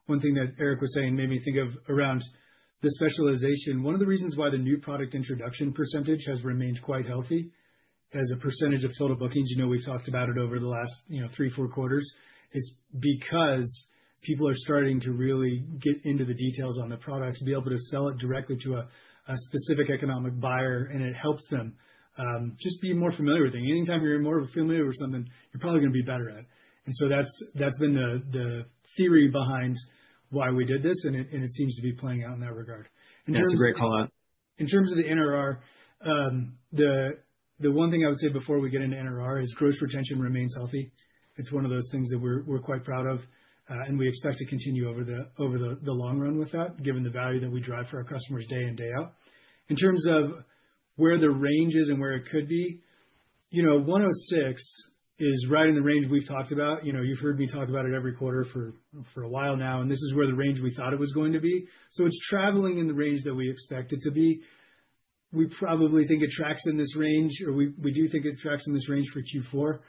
one thing that Eric was saying made me think of around the specialization. One of the reasons why the new product introduction percentage has remained quite healthy as a percentage of total bookings, we've talked about it over the last three, four quarters, is because people are starting to really get into the details on the products, be able to sell it directly to a specific economic buyer, and it helps them just be more familiar with things. Anytime you're more familiar with something, you're probably going to be better at it. And so that's been the theory behind why we did this, and it seems to be playing out in that regard. That's a great call out. In terms of the NRR, the one thing I would say before we get into NRR is gross retention remains healthy. It's one of those things that we're quite proud of, and we expect to continue over the long run with that, given the value that we drive for our customers day in, day out. In terms of where the range is and where it could be, 106% is right in the range we've talked about. You've heard me talk about it every quarter for a while now, and this is where the range we thought it was going to be. So it's traveling in the range that we expect it to be. We probably think it tracks in this range, or we do think it tracks in this range for Q4.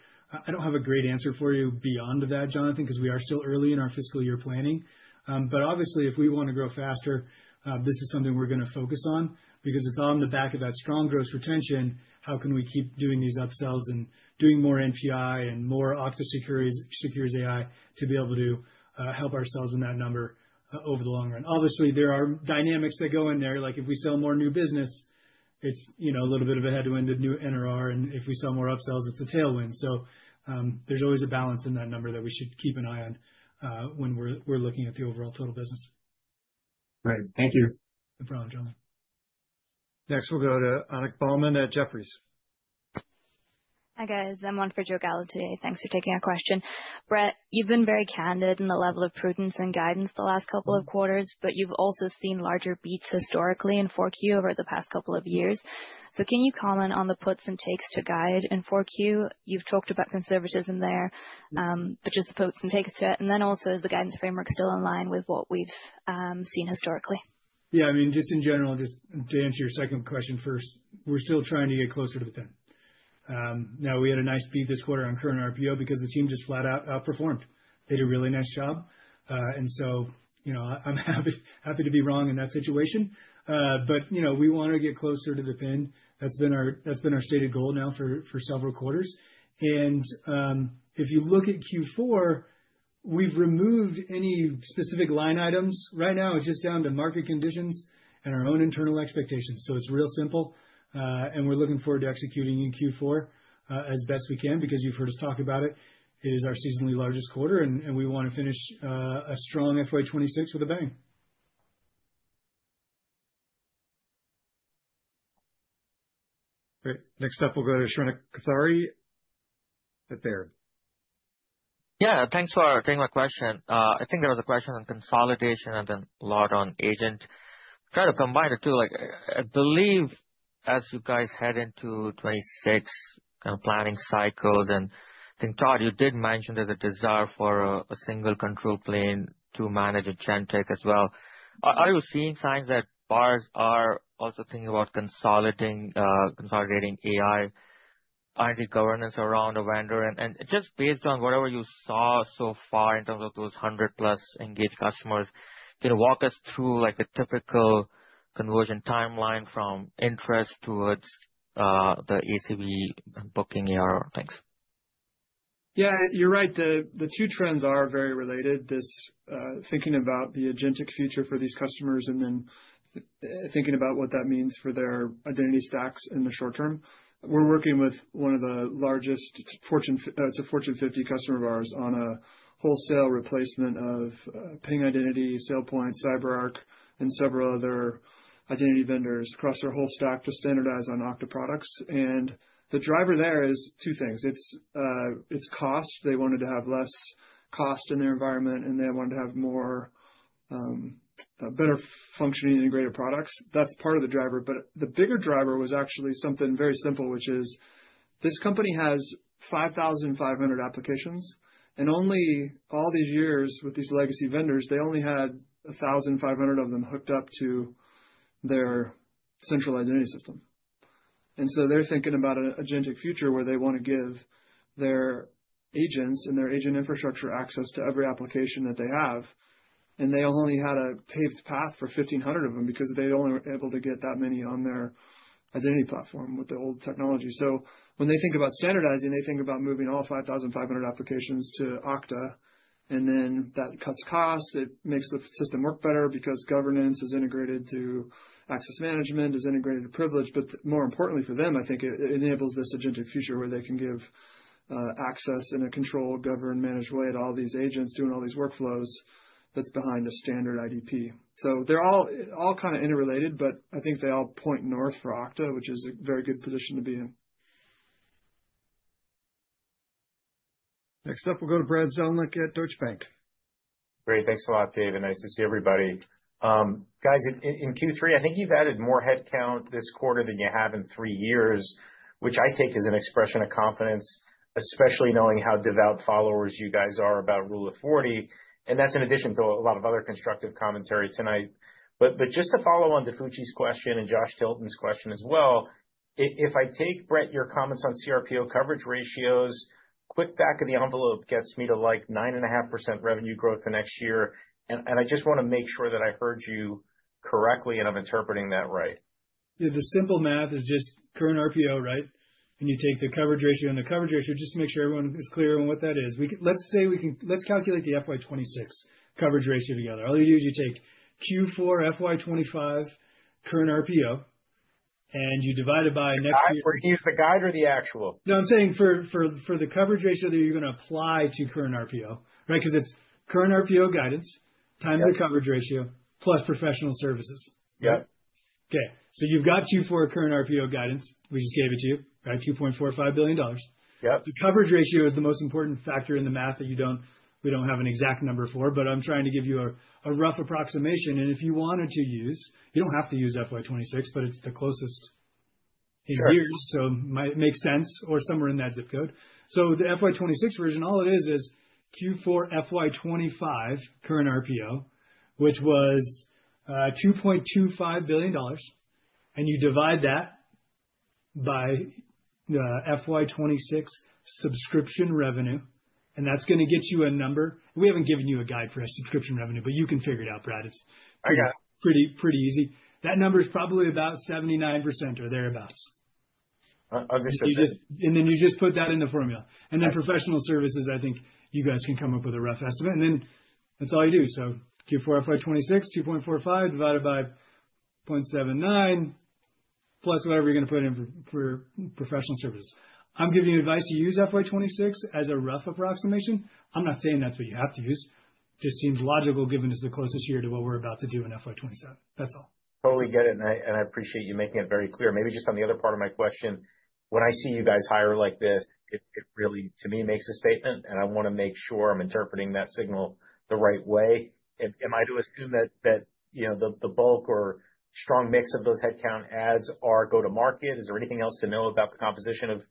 I don't have a great answer for you beyond that, Jonathan, because we are still early in our fiscal year planning. But obviously, if we want to grow faster, this is something we're going to focus on because it's on the back of that strong gross retention. How can we keep doing these upsells and doing more NPI and more Okta Securities AI to be able to help ourselves in that number over the long run? Obviously, there are dynamics that go in there. If we sell more new business, it's a little bit of a headwind to new NRR, and if we sell more upsells, it's a tailwind. So there's always a balance in that number that we should keep an eye on when we're looking at the overall total business. Great. Thank you. Next, we'll go to Annick Baumann at Jefferies. Hi, guys. I'm in for Joe Gallo today. Thanks for taking our question. Brett, you've been very candid in the level of prudence and guidance the last couple of quarters, but you've also seen larger beats historically in 4Q over the past couple of years. So can you comment on the puts and takes to guide in 4Q? You've talked about conservatism there, but just the puts and takes to it. And then also, is the guidance framework still in line with what we've seen historically? Yeah. I mean, just in general, just to answer your second question first, we're still trying to get closer to the 10. Now, we had a nice beat this quarter on current RPO because the team just flat out outperformed. They did a really nice job, and so I'm happy to be wrong in that situation. But we want to get closer to the 10. That's been our stated goal now for several quarters. And if you look at Q4, we've removed any specific line items. Right now, it's just down to market conditions and our own internal expectations. So it's real simple, and we're looking forward to executing in Q4 as best we can because you've heard us talk about it. It is our seasonally largest quarter, and we want to finish a strong FY 2026 with a bang. Great. Next up, we'll go to Shrenik Kothari with Baird. Yeah. Thanks for taking my question. I think there was a question on consolidation and then a lot on agent. Try to combine the two. I believe as you guys head into 2026, kind of planning cycles, and I think Todd, you did mention there's a desire for a single control plane to manage agentic tech as well. Are you seeing signs that buyers are also thinking about consolidating AI IAM governance around a vendor? And just based on whatever you saw so far in terms of those 100+ engaged customers, walk us through a typical conversion timeline from interest towards the ACV and booking ARR things. Yeah. You're right. The two trends are very related. Thinking about the agentic future for these customers and then thinking about what that means for their identity stacks in the short term. We're working with one of the largest Fortune 50 customers of ours on a wholesale replacement of Ping Identity, SailPoint, CyberArk, and several other identity vendors across their whole stack to standardize on Okta products. And the driver there is two things. It's cost. They wanted to have less cost in their environment, and they wanted to have better functioning integrated products. That's part of the driver. But the bigger driver was actually something very simple, which is this company has 5,500 applications. And all these years with these legacy vendors, they only had 1,500 of them hooked up to their central identity system. And so they're thinking about an agentic future where they want to give their agents and their agent infrastructure access to every application that they have. And they only had a paved path for 1,500 of them because they only were able to get that many on their identity platform with the old technology. So when they think about standardizing, they think about moving all 5,500 applications to Okta. And then that cuts costs. It makes the system work better because governance is integrated to access management, is integrated to privilege. But more importantly for them, I think it enables this agentic future where they can give access in a controlled, governed, managed way to all these agents doing all these workflows that's behind a standard IdP. So they're all kind of interrelated, but I think they all point north for Okta, which is a very good position to be in. Next up, we'll go to Brad Zelnick at Deutsche Bank. Great. Thanks a lot, Dave. And nice to see everybody. Guys, in Q3, I think you've added more headcount this quarter than you have in three years, which I take as an expression of confidence, especially knowing how devout followers you guys are about Rule of 40. And that's in addition to a lot of other constructive commentary tonight. But just to follow on DiFucci's question and Josh Tilton's question as well, if I take, Brett, your comments on CRPO coverage ratios, quick back of the envelope gets me to like 9.5% revenue growth the next year. And I just want to make sure that I heard you correctly and I'm interpreting that right. The simple math is just current RPO, right? And you take the coverage ratio, and the coverage ratio just to make sure everyone is clear on what that is. Let's say we can calculate the FY 2026 coverage ratio together. All you do is you take Q4 FY 2025 current RPO and you divide it by next year. For here's the guide or the actual? No, I'm saying for the coverage ratio that you're going to apply to current RPO, right? Because it's current RPO guidance times the coverage ratio plus professional services. Yep. Okay, so you've got Q4 current RPO guidance. We just gave it to you, right? $2.45 billion. Yep. The coverage ratio is the most important factor in the math that we don't have an exact number for, but I'm trying to give you a rough approximation, and if you wanted to use, you don't have to use FY 2026, but it's the closest in years, so it might make sense or somewhere in that zip code, so the FY 2026 version, all it is, is Q4 FY 2025 current RPO, which was $2.25 billion. And you divide that by the FY 2026 subscription revenue, and that's going to get you a number. We haven't given you a guide for a subscription revenue, but you can figure it out, Brad. I got it. It's pretty easy. That number is probably about 79% or thereabouts. Understood. Then you just put that in the formula. Professional services, I think you guys can come up with a rough estimate. That's all you do. Q4 FY 2026, 2.45 divided by 0.79 plus whatever you're going to put in for professional services. I'm giving you advice to use FY 2026 as a rough approximation. I'm not saying that's what you have to use. Just seems logical given it's the closest year to what we're about to do in FY 2027. That's all. Totally get it. And I appreciate you making it very clear. Maybe just on the other part of my question, when I see you guys hire like this, it really, to me, makes a statement, and I want to make sure I'm interpreting that signal the right way. Am I to assume that the bulk or strong mix of those headcount adds are go-to-market? Is there anything else to know about the composition of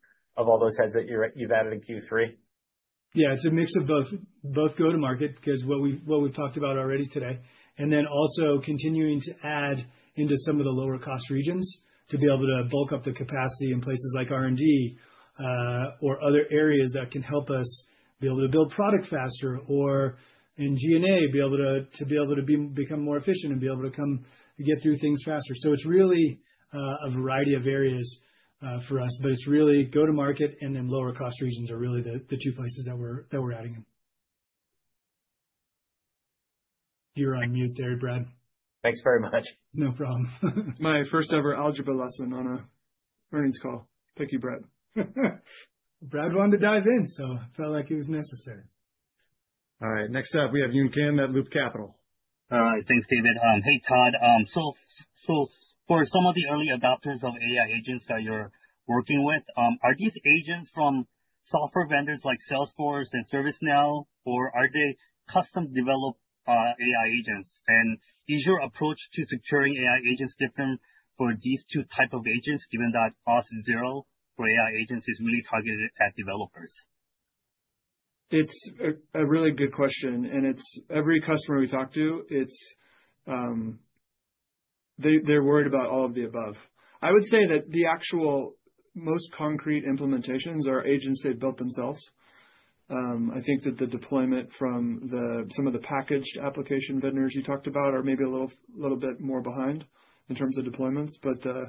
all those adds that you've added in Q3? Yeah. It's a mix of both go-to-market because what we've talked about already today, and then also continuing to add into some of the lower-cost regions to be able to bulk up the capacity in places like R&D or other areas that can help us be able to build product faster or in G&A to be able to become more efficient and be able to get through things faster. So it's really a variety of areas for us, but it's really go-to-market and then lower-cost regions are really the two places that we're adding in. You're on mute there, Brad. Thanks very much. No problem. It's my first-ever algebra lesson on an earnings call. Thank you, Brad. Brad wanted to dive in, so I felt like it was necessary. All right. Next up, we have Yun Kim at Loop Capital. All right. Thanks, David. Hey, Todd. So for some of the early adopters of AI agents that you're working with, are these agents from software vendors like Salesforce and ServiceNow, or are they custom-developed AI agents? And is your approach to securing AI agents different for these two types of agents, given that Auth0 for AI agents is really targeted at developers? It's a really good question, and it's every customer we talk to, they're worried about all of the above. I would say that the actual most concrete implementations are agents they've built themselves. I think that the deployment from some of the packaged application vendors you talked about are maybe a little bit more behind in terms of deployments, but the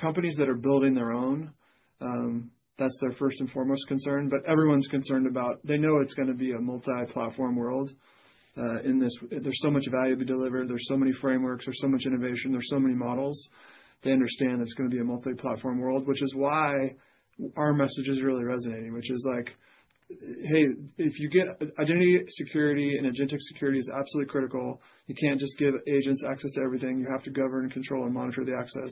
companies that are building their own, that's their first and foremost concern, but everyone's concerned about. They know it's going to be a multi-platform world. There's so much value to be delivered. There's so many frameworks. There's so much innovation. There's so many models. They understand it's going to be a multi-platform world, which is why our message is really resonating, which is like, "Hey, if you get identity security and agentic security is absolutely critical, you can't just give agents access to everything. You have to govern, control, and monitor the access."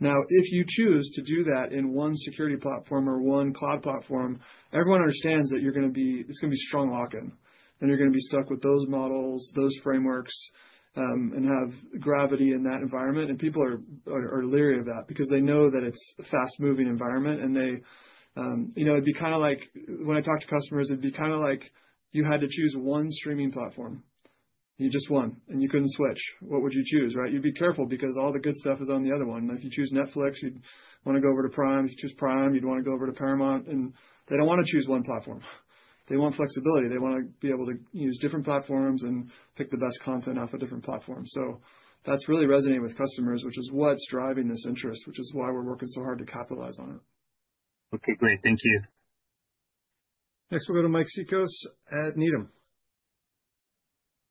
Now, if you choose to do that in one security platform or one cloud platform, everyone understands that it's going to be strong lock-in, and you're going to be stuck with those models, those frameworks, and have gravity in that environment. And people are leery of that because they know that it's a fast-moving environment. And it'd be kind of like when I talk to customers, it'd be kind of like you had to choose one streaming platform. You just won, and you couldn't switch. What would you choose, right? You'd be careful because all the good stuff is on the other one. And if you choose Netflix, you'd want to go over to Prime. If you choose Prime, you'd want to go over to Paramount. And they don't want to choose one platform. They want flexibility. They want to be able to use different platforms and pick the best content off a different platform. So that's really resonating with customers, which is what's driving this interest, which is why we're working so hard to capitalize on it. Okay. Great. Thank you. Next, we'll go to Mike Cikos at Needham.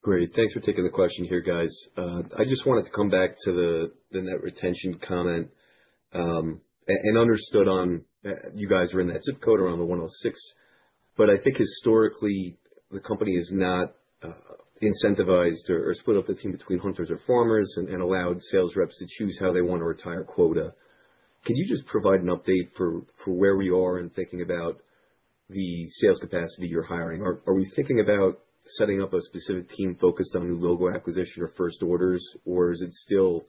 Great. Thanks for taking the question here, guys. I just wanted to come back to the net retention comment and understood you guys are in that zip code around the 106%. But I think historically, the company is not incentivized or split up the team between hunters or farmers and allowed sales reps to choose how they want to retire quota. Can you just provide an update for where we are in thinking about the sales capacity you're hiring? Are we thinking about setting up a specific team focused on new logo acquisition or first orders, or is it still,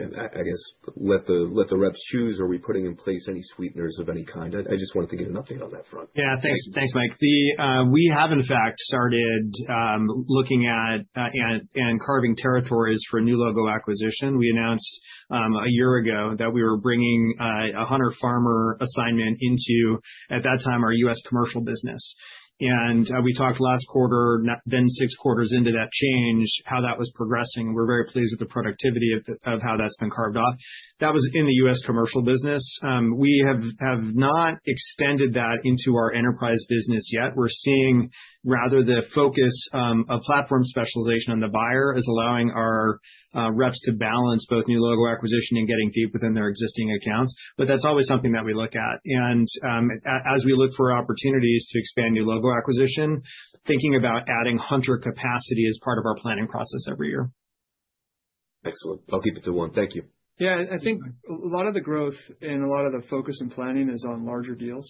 I guess, let the reps choose? Are we putting in place any sweeteners of any kind? I just wanted to get an update on that front. Yeah. Thanks, Mike. We have, in fact, started looking at and carving territories for new logo acquisition. We announced a year ago that we were bringing a hunter-farmer assignment into, at that time, our U.S. commercial business, and we talked last quarter, then six quarters into that change, how that was progressing. We're very pleased with the productivity of how that's been carved off. That was in the U.S. commercial business. We have not extended that into our enterprise business yet. We're seeing rather the focus of platform specialization on the buyer is allowing our reps to balance both new logo acquisition and getting deep within their existing accounts. But that's always something that we look at, and as we look for opportunities to expand new logo acquisition, thinking about adding hunter capacity as part of our planning process every year. Excellent. I'll keep it to one. Thank you. Yeah. I think a lot of the growth and a lot of the focus in planning is on larger deals.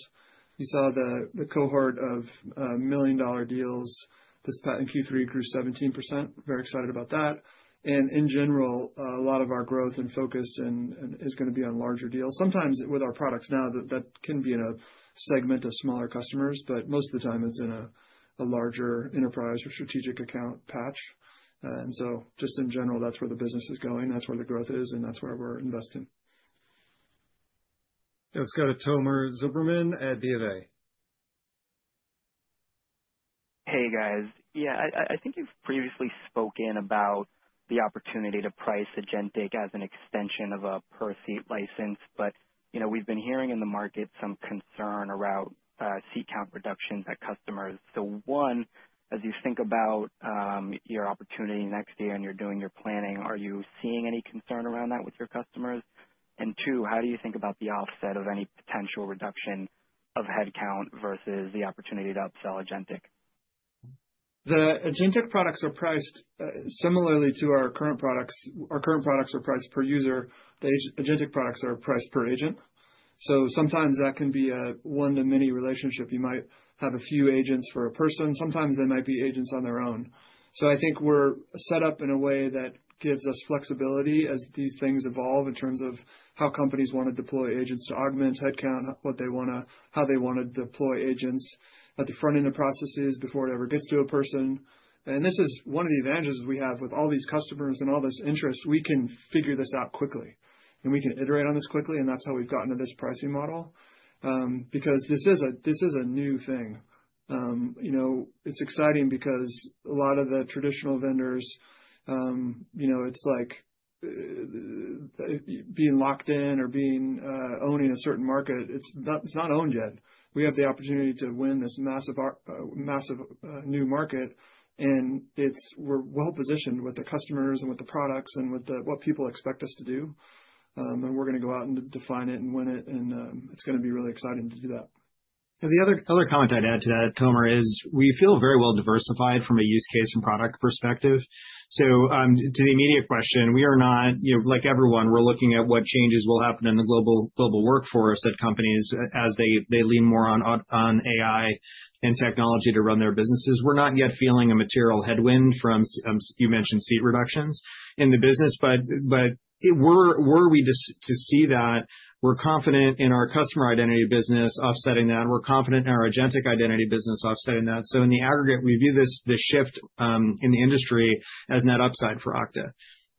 You saw the cohort of million-dollar deals this past Q3 grew 17%. Very excited about that. And in general, a lot of our growth and focus is going to be on larger deals. Sometimes with our products now, that can be in a segment of smaller customers, but most of the time, it's in a larger enterprise or strategic account batch. And so just in general, that's where the business is going. That's where the growth is, and that's where we're investing. Let's go to Tomer Zilberman at BofA. Hey, guys. Yeah. I think you've previously spoken about the opportunity to price agentic as an extension of a per-seat license. But we've been hearing in the market some concern around seat count reductions at customers. So one, as you think about your opportunity next year and you're doing your planning, are you seeing any concern around that with your customers? And two, how do you think about the offset of any potential reduction of headcount versus the opportunity to upsell agentic? The agentic products are priced similarly to our current products. Our current products are priced per user. The agentic products are priced per agent. So sometimes that can be a one-to-many relationship. You might have a few agents for a person. Sometimes they might be agents on their own. So I think we're set up in a way that gives us flexibility as these things evolve in terms of how companies want to deploy agents to augment headcount, how they want to deploy agents at the front-end of processes before it ever gets to a person. And this is one of the advantages we have with all these customers and all this interest. We can figure this out quickly, and we can iterate on this quickly, and that's how we've gotten to this pricing model because this is a new thing. It's exciting because a lot of the traditional vendors, it's like being locked in or owning a certain market. It's not owned yet. We have the opportunity to win this massive new market, and we're well-positioned with the customers and with the products and with what people expect us to do. And we're going to go out and define it and win it, and it's going to be really exciting to do that. So the other comment I'd add to that, Tomer, is we feel very well-diversified from a use case and product perspective. So to the immediate question, we are not like everyone. We're looking at what changes will happen in the global workforce at companies as they lean more on AI and technology to run their businesses. We're not yet feeling a material headwind from, you mentioned, seat reductions in the business, but were we to see that, we're confident in our customer identity business offsetting that. We're confident in our agentic identity business offsetting that. So in the aggregate, we view this shift in the industry as net upside for Okta.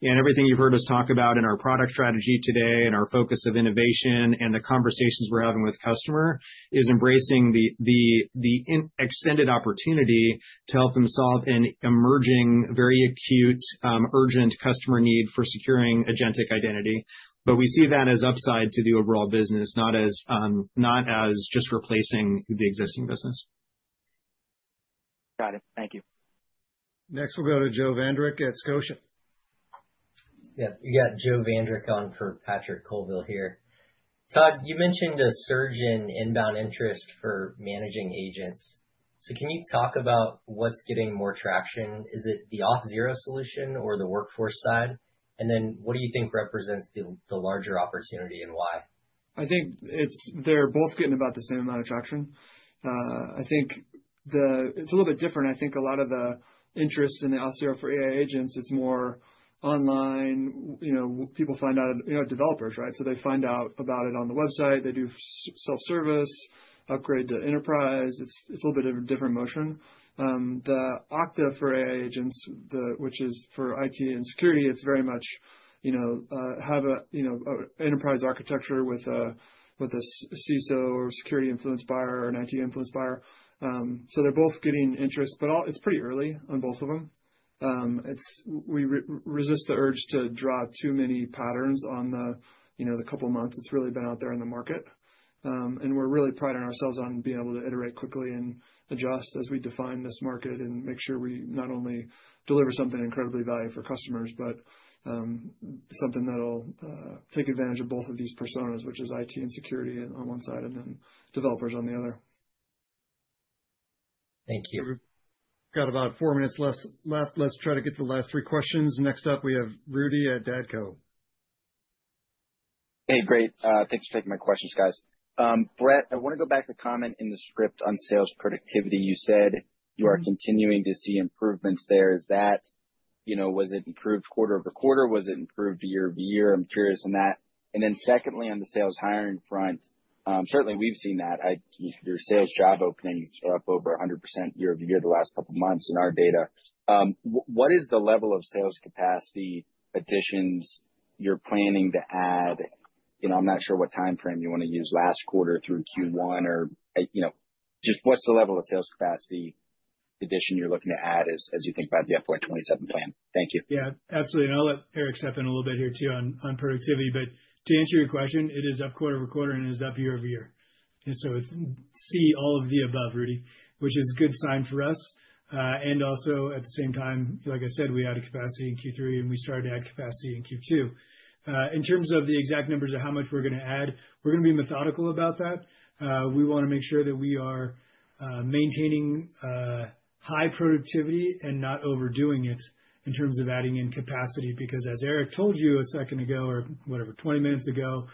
Everything you've heard us talk about in our product strategy today and our focus of innovation and the conversations we're having with customers is embracing the extended opportunity to help them solve an emerging, very acute, urgent customer need for securing agentic identity. We see that as upside to the overall business, not as just replacing the existing business. Got it. Thank you. Next, we'll go to Joe Vandrick at Scotia. Yeah. We got Joe Vandrick on for Patrick Colville here. Todd, you mentioned a surge in inbound interest for managing agents. So can you talk about what's getting more traction? Is it the Auth0 solution or the workforce side? And then what do you think represents the larger opportunity and why? I think they're both getting about the same amount of traction. I think it's a little bit different. I think a lot of the interest in the Auth0 for AI Agents, it's more online. People find out developers, right? So they find out about it on the website. They do self-service, upgrade to enterprise. It's a little bit of a different motion. The Okta for AI Agents, which is for IT and security, it's very much have an enterprise architecture with a CISO or security-influenced buyer or an IT-influenced buyer. So they're both getting interest, but it's pretty early on both of them. We resist the urge to draw too many patterns on the couple of months it's really been out there in the market. We're really priding ourselves on being able to iterate quickly and adjust as we define this market and make sure we not only deliver something incredibly valuable for customers, but something that'll take advantage of both of these personas, which is IT and security on one side and then developers on the other. Thank you. We've got about four minutes left. Let's try to get the last three questions. Next up, we have Rudy at D.A. Davidson. Hey, great. Thanks for taking my questions, guys. Brett, I want to go back to the comment in the script on sales productivity. You said you are continuing to see improvements there. Was it improved quarter-over-quarter? Was it improved year-over-year? I'm curious on that. And then secondly, on the sales hiring front, certainly we've seen that. Your sales job openings are up over 100% year-over-year the last couple of months in our data. What is the level of sales capacity additions you're planning to add? I'm not sure what timeframe you want to use last quarter through Q1, or just what's the level of sales capacity addition you're looking to add as you think about the FY 2027 plan? Thank you. Yeah. Absolutely. And I'll let Eric step in a little bit here too on productivity. But to answer your question, it is up quarter-over-quarter, and it is up year-over-year. And so see all of the above, Rudy, which is a good sign for us. And also, at the same time, like I said, we added capacity in Q3, and we started to add capacity in Q2. In terms of the exact numbers of how much we're going to add, we're going to be methodical about that. We want to make sure that we are maintaining high productivity and not overdoing it in terms of adding in capacity because, as Eric told you a second ago or whatever, 20 minutes ago,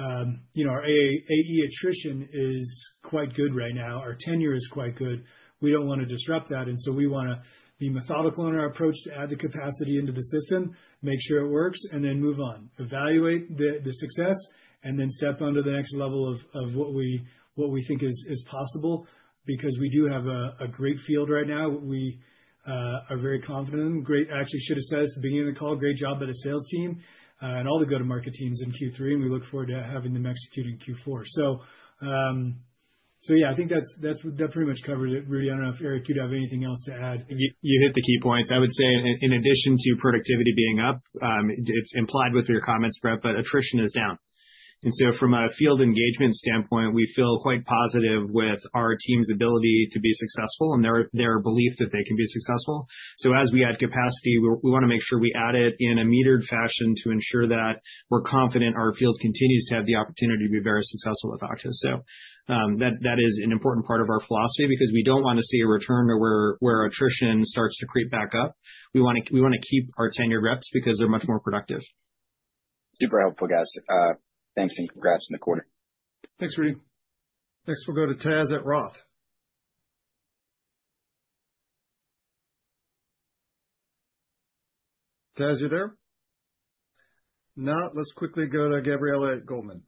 our AE attrition is quite good right now. Our tenure is quite good. We don't want to disrupt that. And so, we want to be methodical in our approach to add the capacity into the system, make sure it works, and then move on, evaluate the success, and then step on to the next level of what we think is possible because we do have a great field right now. We are very confident in them. Great. Actually, I should have said this at the beginning of the call, great job by the sales team and all the go-to-market teams in Q3, and we look forward to having them execute in Q4. So yeah, I think that pretty much covers it, Rudy. I don't know if Eric, you'd have anything else to add. You hit the key points. I would say, in addition to productivity being up, it's implied with your comments, Brett, but attrition is down. And so from a field engagement standpoint, we feel quite positive with our team's ability to be successful and their belief that they can be successful. So as we add capacity, we want to make sure we add it in a metered fashion to ensure that we're confident our field continues to have the opportunity to be very successful with Okta. So that is an important part of our philosophy because we don't want to see a return to where attrition starts to creep back up. We want to keep our tenured reps because they're much more productive. Super helpful, guys. Thanks and congrats in the quarter. Thanks, Rudy. Next, we'll go to Taz at Roth. Taz, you there? No. Let's quickly go to Gabriela at Goldman.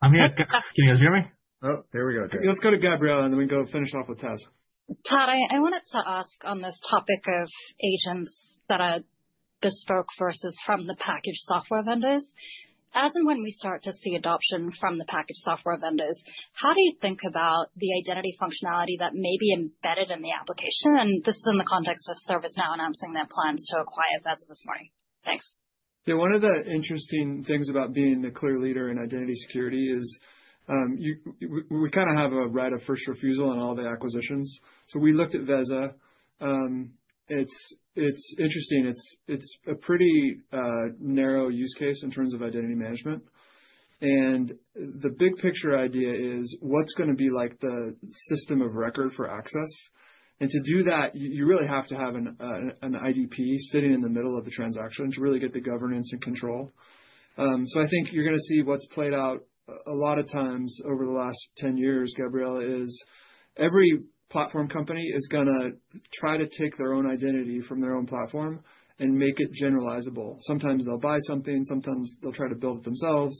I'm here. Can you guys hear me? Oh, there we go. Let's go to Gabriela, and then we can go finish off with Taz. Todd, I wanted to ask on this topic of agents that are bespoke versus from the packaged software vendors. As and when we start to see adoption from the packaged software vendors, how do you think about the identity functionality that may be embedded in the application? And this is in the context of ServiceNow announcing their plans to acquire Veza this morning. Thanks. Yeah. One of the interesting things about being the clear leader in identity security is we kind of have a right of first refusal on all the acquisitions. So we looked at Veza. It's interesting. It's a pretty narrow use case in terms of identity management. And the big picture idea is what's going to be like the system of record for access. And to do that, you really have to have an IdP sitting in the middle of the transaction to really get the governance and control. So I think you're going to see what's played out a lot of times over the last 10 years, Gabriela, is every platform company is going to try to take their own identity from their own platform and make it generalizable. Sometimes they'll buy something. Sometimes they'll try to build it themselves.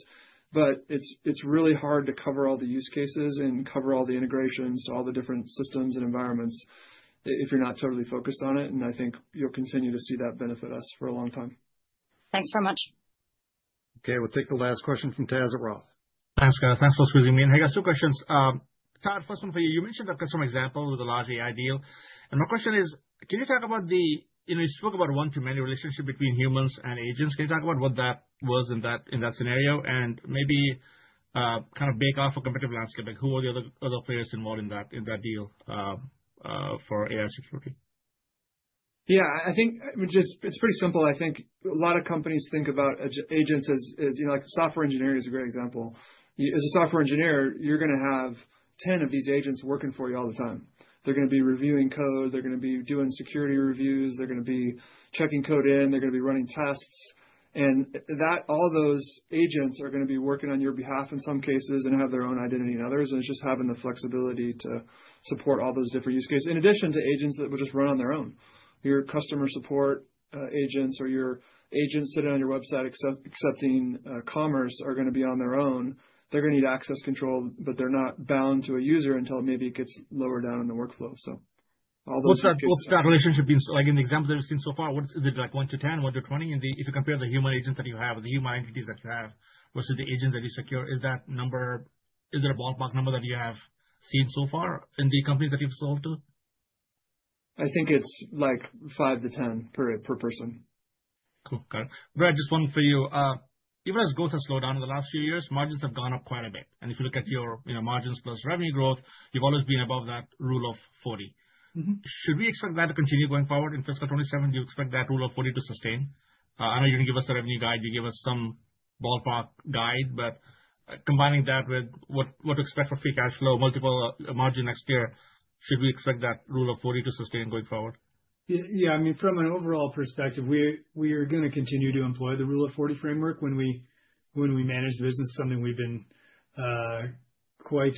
But it's really hard to cover all the use cases and cover all the integrations to all the different systems and environments if you're not totally focused on it. And I think you'll continue to see that benefit us for a long time. Thanks very much. Okay. We'll take the last question from Taz at Roth. Thanks, guys. Thanks for squeezing me in. Hey, guys, two questions. Todd, first one for you. You mentioned a customer example with a large AI deal. And my question is, can you talk about the, you spoke about one-to-many relationship between humans and agents. Can you talk about what that was in that scenario and maybe kind of bake off a competitive landscape? Who were the other players involved in that deal for AI security? Yeah. I think it's pretty simple. I think a lot of companies think about agents as software engineering is a great example. As a software engineer, you're going to have 10 of these agents working for you all the time. They're going to be reviewing code. They're going to be doing security reviews. They're going to be checking code in. They're going to be running tests. And all those agents are going to be working on your behalf in some cases and have their own identity in others. And it's just having the flexibility to support all those different use cases in addition to agents that would just run on their own. Your customer support agents or your agents sitting on your website accepting commerce are going to be on their own. They're going to need access control, but they're not bound to a user until maybe it gets lower down in the workflow, so all those things. What's that relationship been like in the example that we've seen so far? Is it like one to 10, one to 20? And if you compare the human agents that you have, the human entities that you have versus the agents that you secure, is that number, is there a ballpark number that you have seen so far in the companies that you've sold to? I think it's like five to 10 per person. Cool. Got it. Brett, just one for you. Even as growth has slowed down in the last few years, margins have gone up quite a bit. And if you look at your margins plus revenue growth, you've always been above that Rule of 40. Should we expect that to continue going forward in fiscal 2027? Do you expect that Rule of 40 to sustain? I know you didn't give us a revenue guide. You gave us some ballpark guide, but combining that with what to expect for free cash flow, multiple margin next year, should we expect that Rule of 40 to sustain going forward? Yeah. I mean, from an overall perspective, we are going to continue to employ the Rule of 40 framework when we manage the business. It's something we've been quite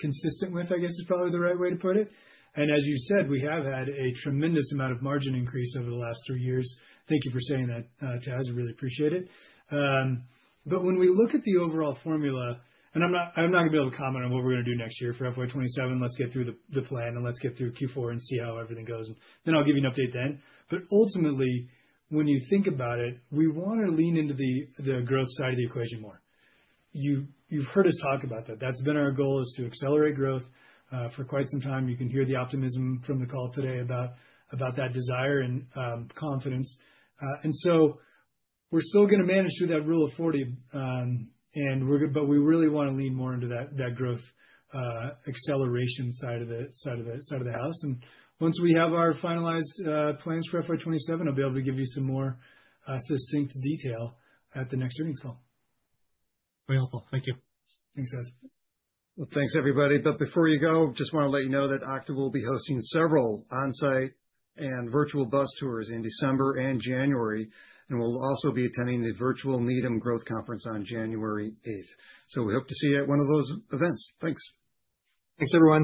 consistent with, I guess is probably the right way to put it. And as you said, we have had a tremendous amount of margin increase over the last three years. Thank you for saying that, Taz. We really appreciate it. But when we look at the overall formula, and I'm not going to be able to comment on what we're going to do next year for FY 2027. Let's get through the plan, and let's get through Q4 and see how everything goes. And then I'll give you an update then. But ultimately, when you think about it, we want to lean into the growth side of the equation more. You've heard us talk about that. That's been our goal, is to accelerate growth for quite some time. You can hear the optimism from the call today about that desire and confidence. And so we're still going to manage through that Rule of 40, but we really want to lean more into that growth acceleration side of the house. And once we have our finalized plans for FY 2027, I'll be able to give you some more succinct detail at the next earnings call. Very helpful. Thank you. Thanks, Taz. Thanks, everybody. Before you go, just want to let you know that Okta will be hosting several onsite and virtual bus tours in December and January. We'll also be attending the virtual Needham Growth Conference on January 8th. We hope to see you at one of those events. Thanks. Thanks, everyone.